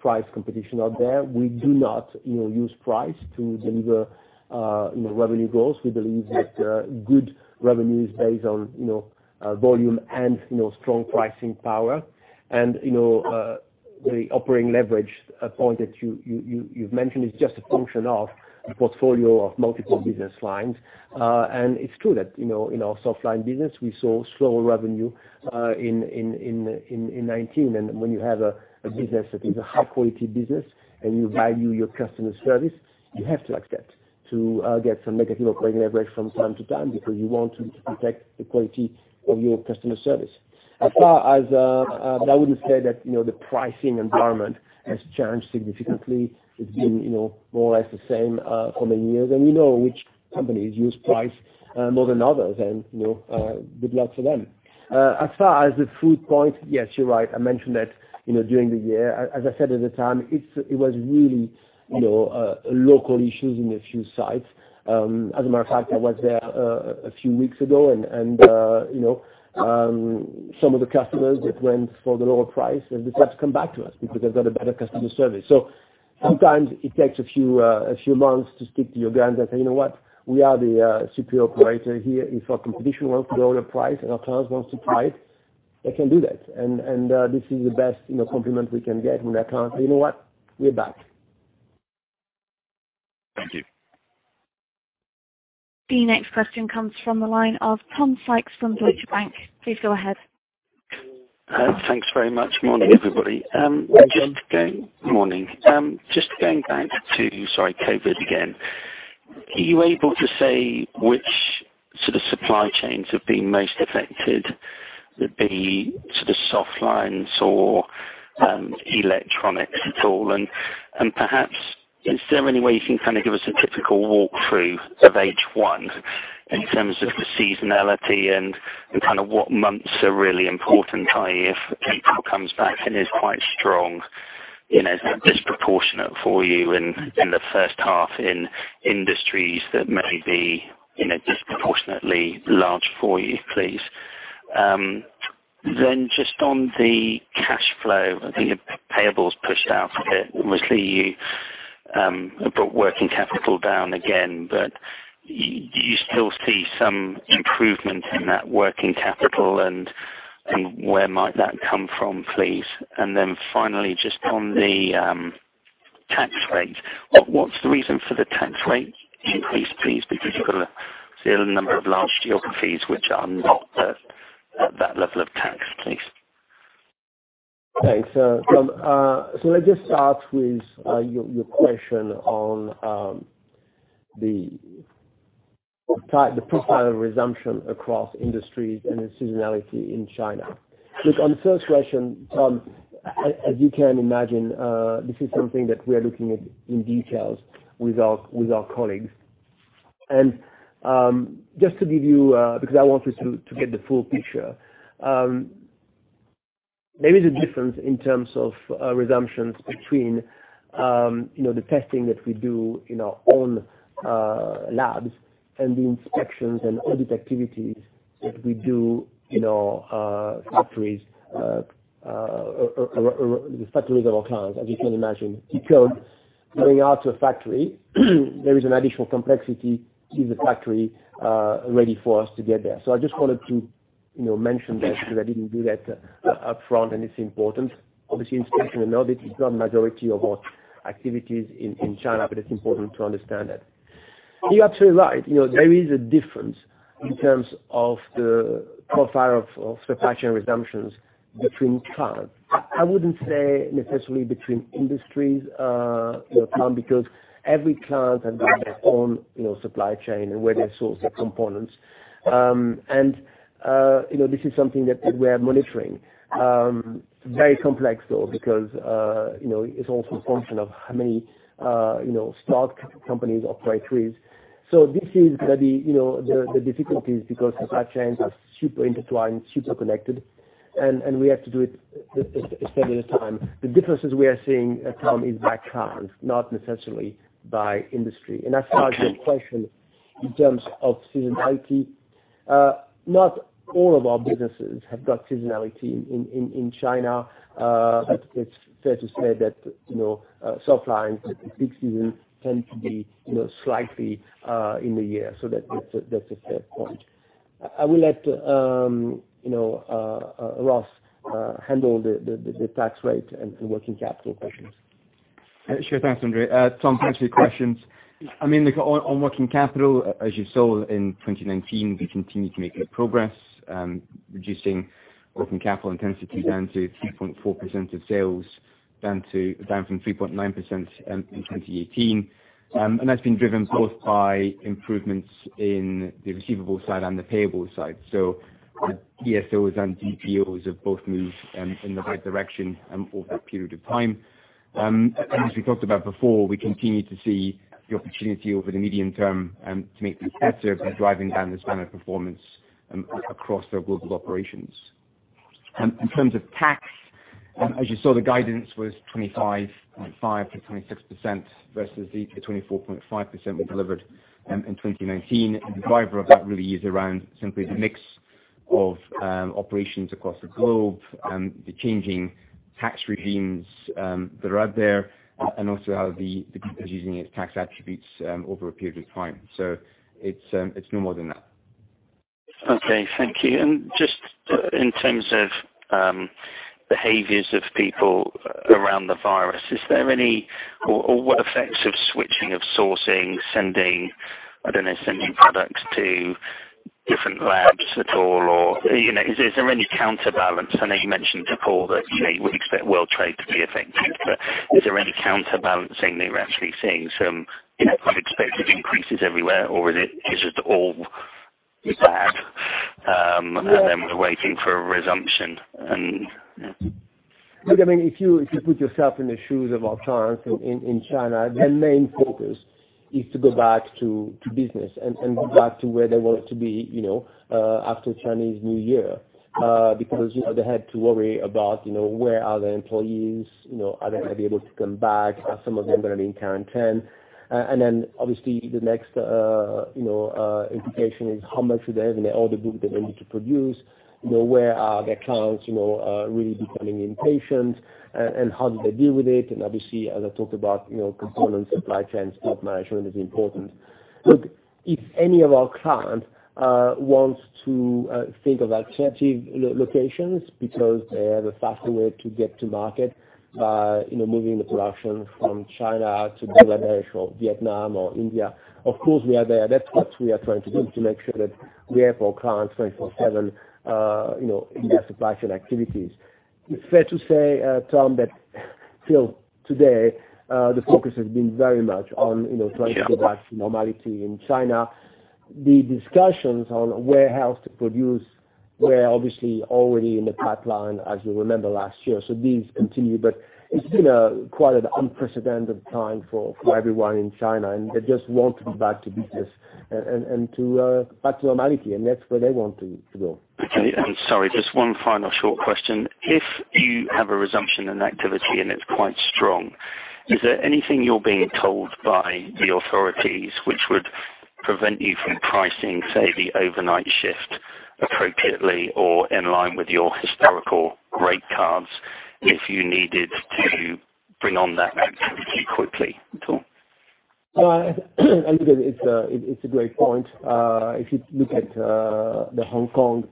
price competition out there. We do not use price to deliver revenue goals. We believe that good revenue is based on volume and strong pricing power. The operating leverage point that you've mentioned is just a function of a portfolio of multiple business lines. It's true that in our soft line business, we saw slower revenue in 2019. When you have a business that is a high-quality business and you value your customer service, you have to accept to get some negative operating leverage from time to time because you want to protect the quality of your customer service. I wouldn't say that the pricing environment has changed significantly. It's been more or less the same for many years. We know which companies use price more than others, and good luck to them. As far as the food point, yes, you're right. I mentioned that during the year. As I said at the time, it was really local issues in a few sites. As a matter of fact, I was there a few weeks ago and some of the customers that went for the lower price have decided to come back to us because they've got a better customer service. Sometimes it takes a few months to stick to your guns and say, You know what? We are the superior operator here. If our competition wants the lower price and our clients want to try it, they can do that. This is the best compliment we can get when our clients say, "You know what? We're back.
Thank you.
The next question comes from the line of Tom Sykes from Deutsche Bank. Please go ahead.
Thanks very much. Morning, everybody. Morning. Just going back to, sorry, COVID again. Are you able to say which sort of supply chains have been most affected, be soft lines or electronics at all? Perhaps, is there any way you can kind of give us a typical walkthrough of H1 in terms of the seasonality and kind of what months are really important i.e., if April comes back and is quite strong, is that disproportionate for you in the first half in industries that may be disproportionately large for you, please? Just on the cash flow, I think the payable is pushed out a bit. Obviously, you brought working capital down again, do you still see some improvement in that working capital, and where might that come from, please? Finally, just on the tax rate, what's the reason for the tax rate increase, please? You've got still a number of large geographies which are not at that level of tax, please.
Thanks Tom. Let me just start with your question on the profile of resumption across industries and the seasonality in China. Look, on the first question, Tom, as you can imagine, this is something that we are looking at in details with our colleagues. Just to give you, because I want us to get the full picture. There is a difference in terms of resumptions between the testing that we do in our own labs and the inspections and audit activities that we do in our factories, the factories of our clients, as you can imagine, because going out to a factory, there is an additional complexity. Is the factory ready for us to get there? I just wanted to mention that because I didn't do that upfront, and it's important. Obviously, inspection and audit is not majority of our activities in China, but it's important to understand that. You're absolutely right. There is a difference in terms of the profile of supply chain resumptions between clients. I wouldn't say necessarily between industries, Tom, because every client has got their own supply chain and where they source their components. This is something that we are monitoring. Very complex, though, because it's also a function of how many stock companies operate there. This is going to be the difficulties because supply chains are super intertwined, super connected, and we have to do it a step at a time. The differences we are seeing at time is by client, not necessarily by industry. As far as your question in terms of seasonality, not all of our businesses have got seasonality in China. It's fair to say that supply in the peak season tend to be slightly in the year. That's a fair point. I will let Ross handle the tax rate and the working capital questions.
Sure. Thanks, André. Tom, thanks for your questions. On working capital, as you saw in 2019, we continued to make good progress reducing working capital intensity down to 3.4% of sales, down from 3.9% in 2018. That's been driven both by improvements in the receivables side and the payables side. The DSOs and DPOs have both moved in the right direction over a period of time. As we talked about before, we continue to see the opportunity over the medium term to make this better by driving down the standard performance across our global operations. In terms of tax, as you saw, the guidance was 25.5% - 26% versus the 24.5% we delivered in 2019. The driver of that really is around simply the mix of operations across the globe, the changing tax regimes that are out there, and also how the Group is using its tax attributes over a period of time. It's no more than that.
Okay, thank you. Just in terms of behaviors of people around the virus, is there any, or what effects of switching of sourcing, sending products to different labs at all? Is there any counterbalance? I know you mentioned to Paul that you would expect world trade to be affected, is there any counterbalancing that you're actually seeing some unexpected increases everywhere, or is it all bad, and then we're waiting for a resumption?
If you put yourself in the shoes of our clients in China, their main focus is to go back to business and back to where they wanted to be after Chinese New Year, because they had to worry about where are their employees, are they going to be able to come back, are some of them going to be in quarantine? Obviously the next implication is how much do they have in their order book that they need to produce? Where are their clients really becoming impatient, and how do they deal with it? Obviously, as I talked about, component supply chains, stock management is important. If any of our clients wants to think of alternative locations because they have a faster way to get to market, moving the production from China to Bangladesh or Vietnam or India, of course, we are there. That's what we are trying to do, to make sure that we are for our clients 24 seven in their supply chain activities. It's fair to say, Tom, that till today, the focus has been very much on trying to go back to normality in China. The discussions on where else to produce were obviously already in the pipeline, as you remember last year. These continue, but it's been quite an unprecedented time for everyone in China, and they just want to be back to business and back to normality, and that's where they want to go.
Okay. Sorry, just one final short question. If you have a resumption in activity and it's quite strong, is there anything you're being told by the authorities which would prevent you from pricing, say, the overnight shift appropriately or in line with your historical rate cards if you needed to bring on that activity quickly at all?
It's a great point. If you look at the Hong Kong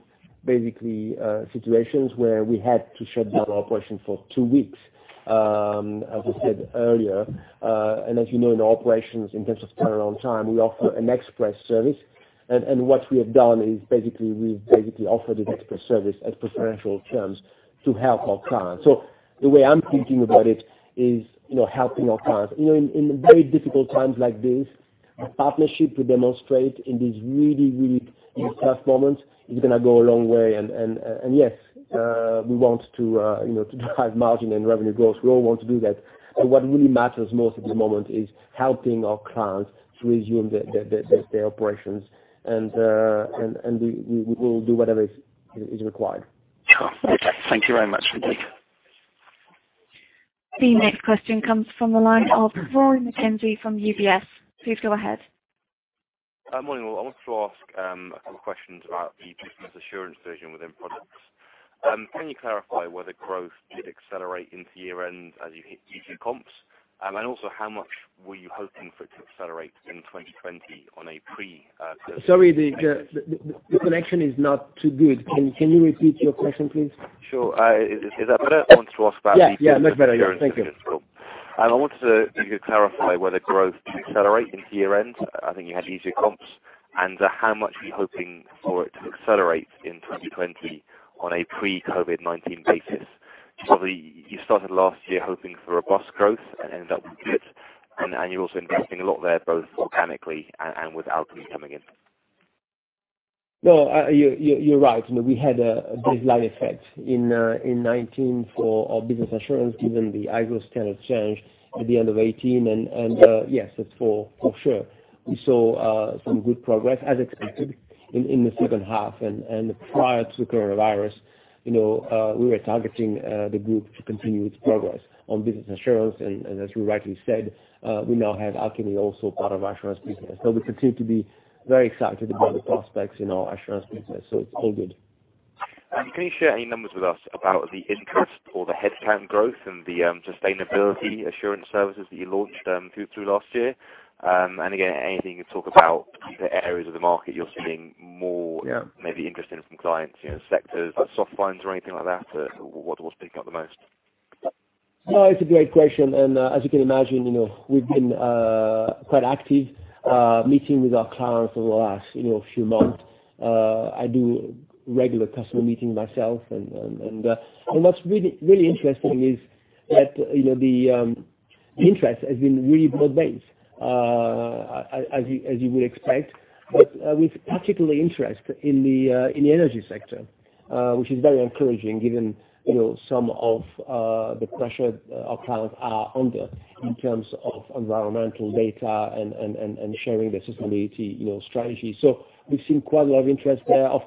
situations where we had to shut down our operation for two weeks, as I said earlier, as you know, in our operations, in terms of turnaround time, we offer an express service. What we have done is we've offered an express service at preferential terms to help our clients. The way I'm thinking about it is helping our clients. In very difficult times like this, partnership we demonstrate in these really, really tough moments is going to go a long way. Yes, we want to drive margin and revenue growth. We all want to do that. What really matters most at this moment is helping our clients to resume their operations. We will do whatever is required.
Okay. Thank you very much indeed.
The next question comes from the line of Rory McKenzie from UBS. Please go ahead.
Morning all. I wanted to ask a couple questions about the Business Assurance division within Products. Can you clarify whether growth did accelerate into year-end as you hit easy comps? Also how much were you hoping for it to accelerate in 2020 on a pre-
Sorry, the connection is not too good. Can you repeat your question, please?
Sure. Is that better? I wanted to ask about the-
Yeah, much better. Thank you.
I wanted you to clarify whether growth can accelerate into year-end. I think you had easier comps. How much are you hoping for it to accelerate in 2020 on a pre-COVID-19 basis? Probably, you started last year hoping for robust growth and ended up with this, and you're also investing a lot there, both organically and with Alchemy coming in.
No, you're right. We had a baseline effect in 2019 for our Business Assurance, given the ISO standard change at the end of 2018, and yes, that's for sure. We saw some good progress as expected in the second half. Prior to coronavirus, we were targeting the group to continue its progress on Business Assurance, and as you rightly said, we now have Intertek Alchemy also part of our assurance business. We continue to be very excited about the prospects in our assurance business, so it's all good.
Can you share any numbers with us about the interest or the headcount growth and the sustainability assurance services that you launched through last year? Again, anything you can talk about the areas of the market you're seeing?
Yeah
Maybe interest in from clients, sectors, like soft lines or anything like that? What's picking up the most?
It's a great question. As you can imagine, we've been quite active meeting with our clients over the last few months. I do regular customer meeting myself and what's really interesting is that the interest has been really broad-based, as you would expect, but with particular interest in the energy sector, which is very encouraging given some of the pressure our clients are under in terms of environmental data and sharing their sustainability strategy. We've seen quite a lot of interest there, of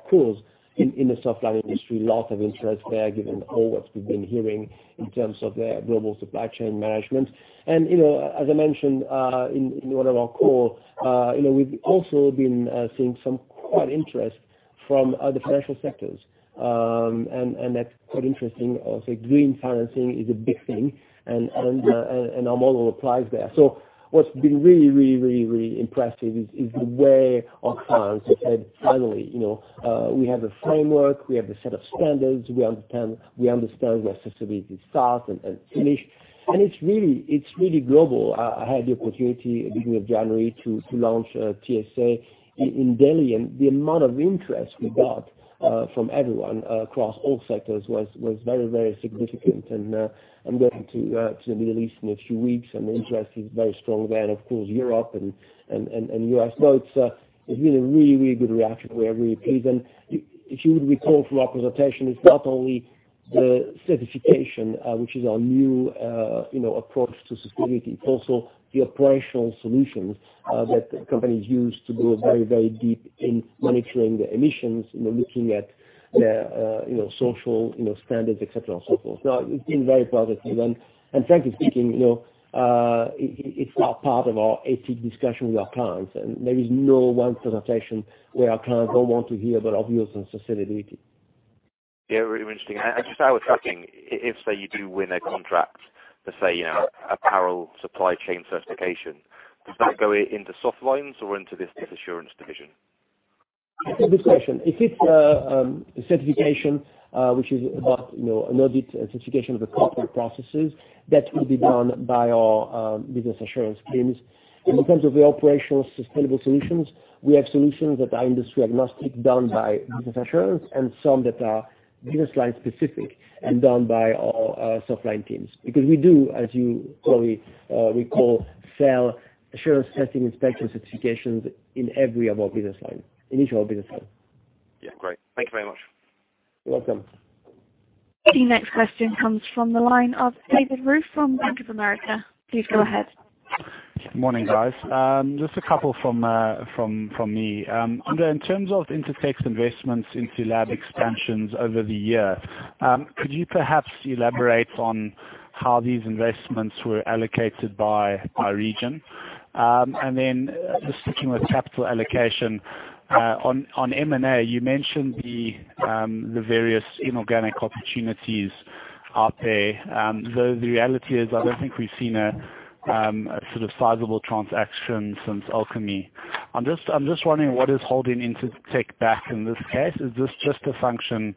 course, in the softline industry, lot of interest there given all what we've been hearing in terms of their global supply chain management. As I mentioned in one of our call, we've also been seeing some quite interest from other financial sectors. That's quite interesting. Also, green financing is a big thing, and our model applies there. What's been really impressive is the way our clients have said, finally we have the framework, we have the set of standards, we understand where sustainability starts and finish, and it's really global. I had the opportunity at beginning of January to launch TSA in Delhi, the amount of interest we got from everyone across all sectors was very significant. I'm going to Middle East in a few weeks, and the interest is very strong there, of course, Europe and U.S. It's been a really good reaction. We are really pleased. If you would recall from our presentation, it's not only the certification, which is our new approach to sustainability. It's also the operational solutions that companies use to go very deep in monitoring their emissions, looking at their social standards, et cetera, and so forth. It's been very positive. Frankly speaking it's now part of our ethics discussion with our clients. There is no one presentation where our clients don't want to hear about us and sustainability.
Yeah, really interesting. Just how I was tracking, if, say, you do win a contract for, say, apparel supply chain certification, does that go into soft lines or into this Business Assurance division?
It's a good question. If it's a certification, which is about an audit certification of the corporate processes, that will be done by our Business Assurance teams. In terms of the operational sustainable solutions, we have solutions that are industry agnostic, done by Business Assurance, and some that are business line specific and done by our soft line teams. We do as you probably recall, sell assurance testing, inspection, certifications in each of our business line.
Yeah, great. Thank you very much.
You're welcome.
The next question comes from the line of David Roux from Bank of America. Please go ahead.
Morning, guys. Just a couple from me. André, in terms of Intertek's investments into lab expansions over the year, could you perhaps elaborate on how these investments were allocated by region? Then just sticking with capital allocation, on M&A, you mentioned the various inorganic opportunities out there. The reality is, I don't think we've seen a sort of sizable transaction since Alchemy. I'm just wondering what is holding Intertek back in this case. Is this just a function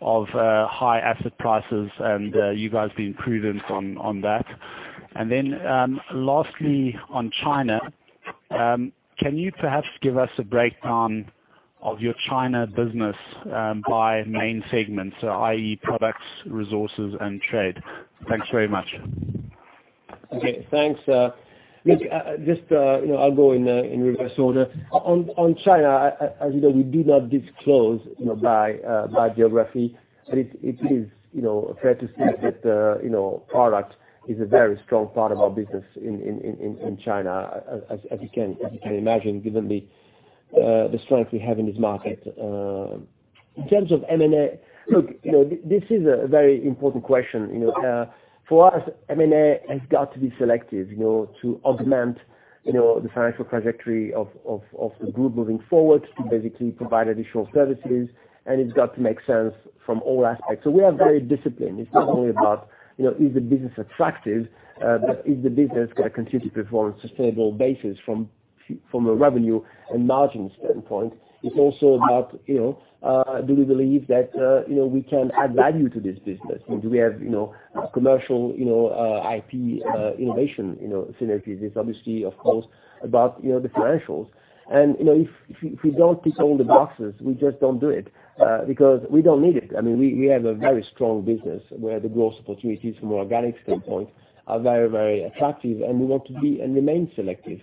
of high asset prices and you guys being prudent on that? Then, lastly, on China, can you perhaps give us a breakdown of your China business by main segments, i.e., Products, Resources, and Trade? Thanks very much.
Okay. Thanks. I'll go in reverse order. On China, as you know, we do not disclose by geography. It is fair to say that Products is a very strong part of our business in China, as you can imagine, given the strength we have in this market. In terms of M&A, this is a very important question. For us, M&A has got to be selective to augment the financial trajectory of the group moving forward to basically provide additional services, and it's got to make sense from all aspects. We are very disciplined. It's not only about is the business attractive, but is the business going to continue to perform on a sustainable basis from a revenue and margin standpoint? It's also about, do we believe that we can add value to this business? Do we have commercial IP innovation synergies? It's obviously, of course, about the financials. If we don't tick all the boxes, we just don't do it, because we don't need it. We have a very strong business where the growth opportunities from organic standpoint are very attractive, and we want to be and remain selective.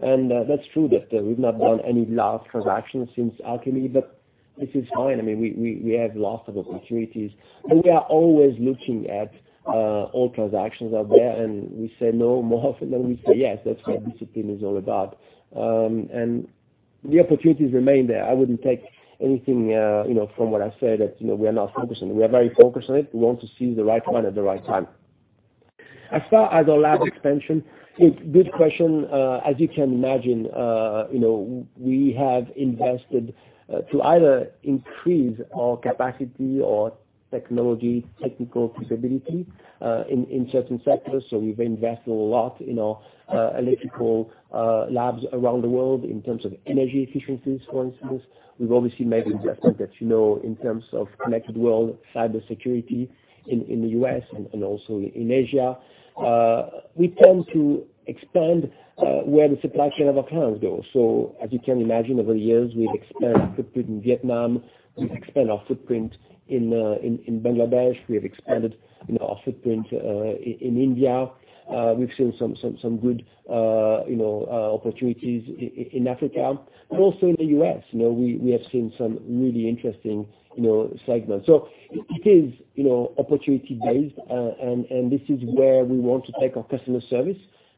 That's true that we've not done any large transactions since Alchemy, but this is fine. We have lots of opportunities, and we are always looking at all transactions out there, and we say no more often than we say yes. That's what discipline is all about. The opportunities remain there. I wouldn't take anything from what I said, that we are not focused on it. We are very focused on it. We want to seize the right one at the right time. As far as our lab expansion, it's a good question. As you can imagine, we have invested to either increase our capacity or technology, technical feasibility, in certain sectors. We've invested a lot in our electrical labs around the world in terms of energy efficiencies, for instance. We've obviously made investments, as you know, in terms of connected world, cybersecurity in the U.S. and also in Asia. We tend to expand where the supply chain of our clients goes. As you can imagine, over the years, we've expanded our footprint in Vietnam, we've expanded our footprint in Bangladesh, we have expanded our footprint in India. We've seen some good opportunities in Africa and also in the U.S. We have seen some really interesting segments. It is opportunity-based, and this is where we want to take our customer service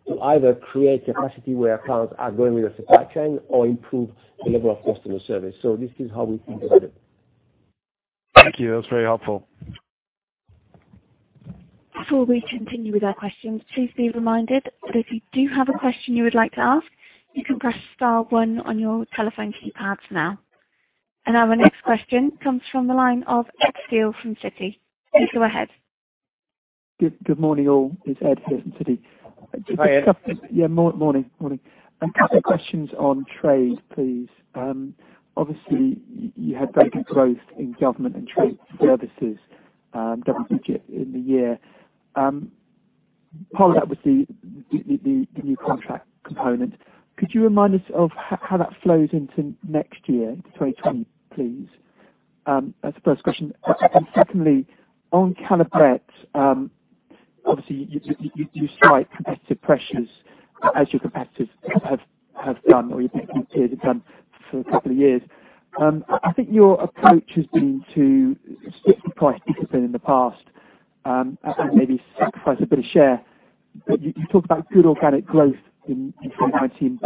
to either create capacity where our clients are going with their supply chain or improve the level of customer service. This is how we think about it.
Thank you. That was very helpful.
Before we continue with our questions, please be reminded that if you do have a question you would like to ask, you can press star one on your telephone keypads now. Our next question comes from the line of Ed Steele from Citi. You can go ahead.
Good morning, all. It's Ed here from Citi.
Hi, Ed.
Yeah, morning. A couple questions on trade, please. Obviously, you had very good growth in Government and Trade Services, GTS in the year. Part of that was the new contract component. Could you remind us of how that flows into next year, 2020, please? That's the first question. Secondly, on Caleb Brett, obviously, you cite competitive pressures as your competitors have done, or your peers have done for a couple of years. I think your approach has been to stick to price discipline in the past, and maybe sacrifice a bit of share. You talked about good organic growth in 2019,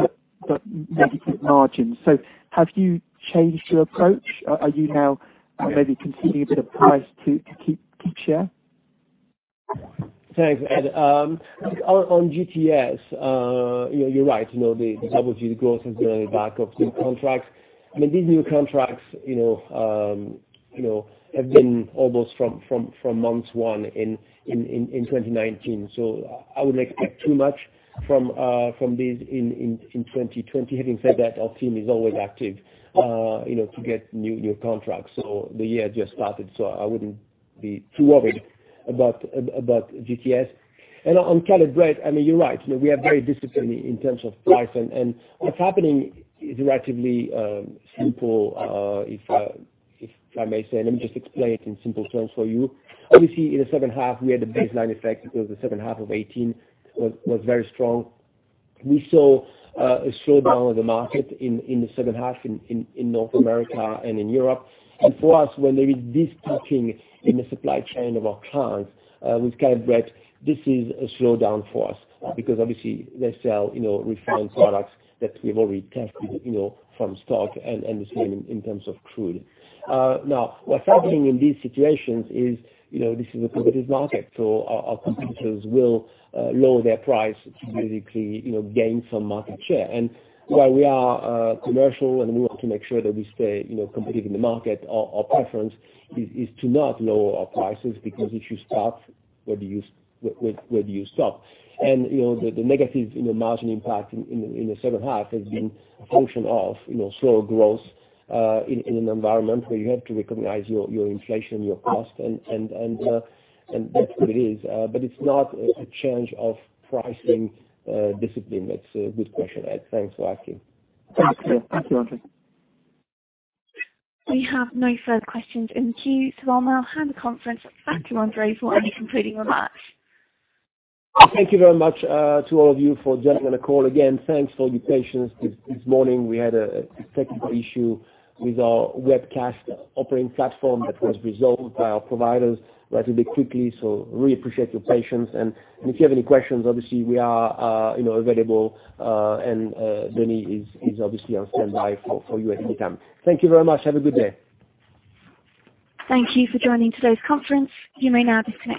but maybe cut margins. Have you changed your approach? Are you now maybe conceding a bit of price to keep share?
Thanks, Ed. On GTS, you're right. The double-digit growth is on the back of new contracts. These new contracts have been almost from month 1 in 2019. I would not expect too much from these in 2020. Having said that, our team is always active to get new contracts. The year just started, so I wouldn't be too worried about GTS. On Caleb Brett, you're right. We are very disciplined in terms of price. What's happening is relatively simple, if I may say. Let me just explain it in simple terms for you. Obviously, in the second half, we had the baseline effect because the Q2 of 2018 was very strong. We saw a slowdown of the market in the second half in North America and in Europe. For us, when there is destocking in the supply chain of our clients with Caleb Brett, this is a slowdown for us because obviously they sell refined products that we've already tested from stock, and the same in terms of crude. What's happening in these situations is, this is a competitive market, so our competitors will lower their price to basically gain some market share. While we are commercial and we want to make sure that we stay competitive in the market, our preference is to not lower our prices, because if you start, where do you stop? The negative margin impact in the second half has been a function of slower growth, in an environment where you have to recognize your inflation, your cost, and that's what it is. It's not a change of pricing discipline. That's a good question, Ed. Thanks for asking.
Thank you. Thank you, André.
We have no further questions in the queue, so I'll now hand the conference back to André for any concluding remarks.
Thank you very much to all of you for joining the call. Again, thanks for all your patience this morning. We had a technical issue with our webcast operating platform that was resolved by our providers relatively quickly. Really appreciate your patience. If you have any questions, obviously, we are available, and Denis is obviously on standby for you at any time. Thank you very much. Have a good day.
Thank you for joining today's conference. You may now disconnect your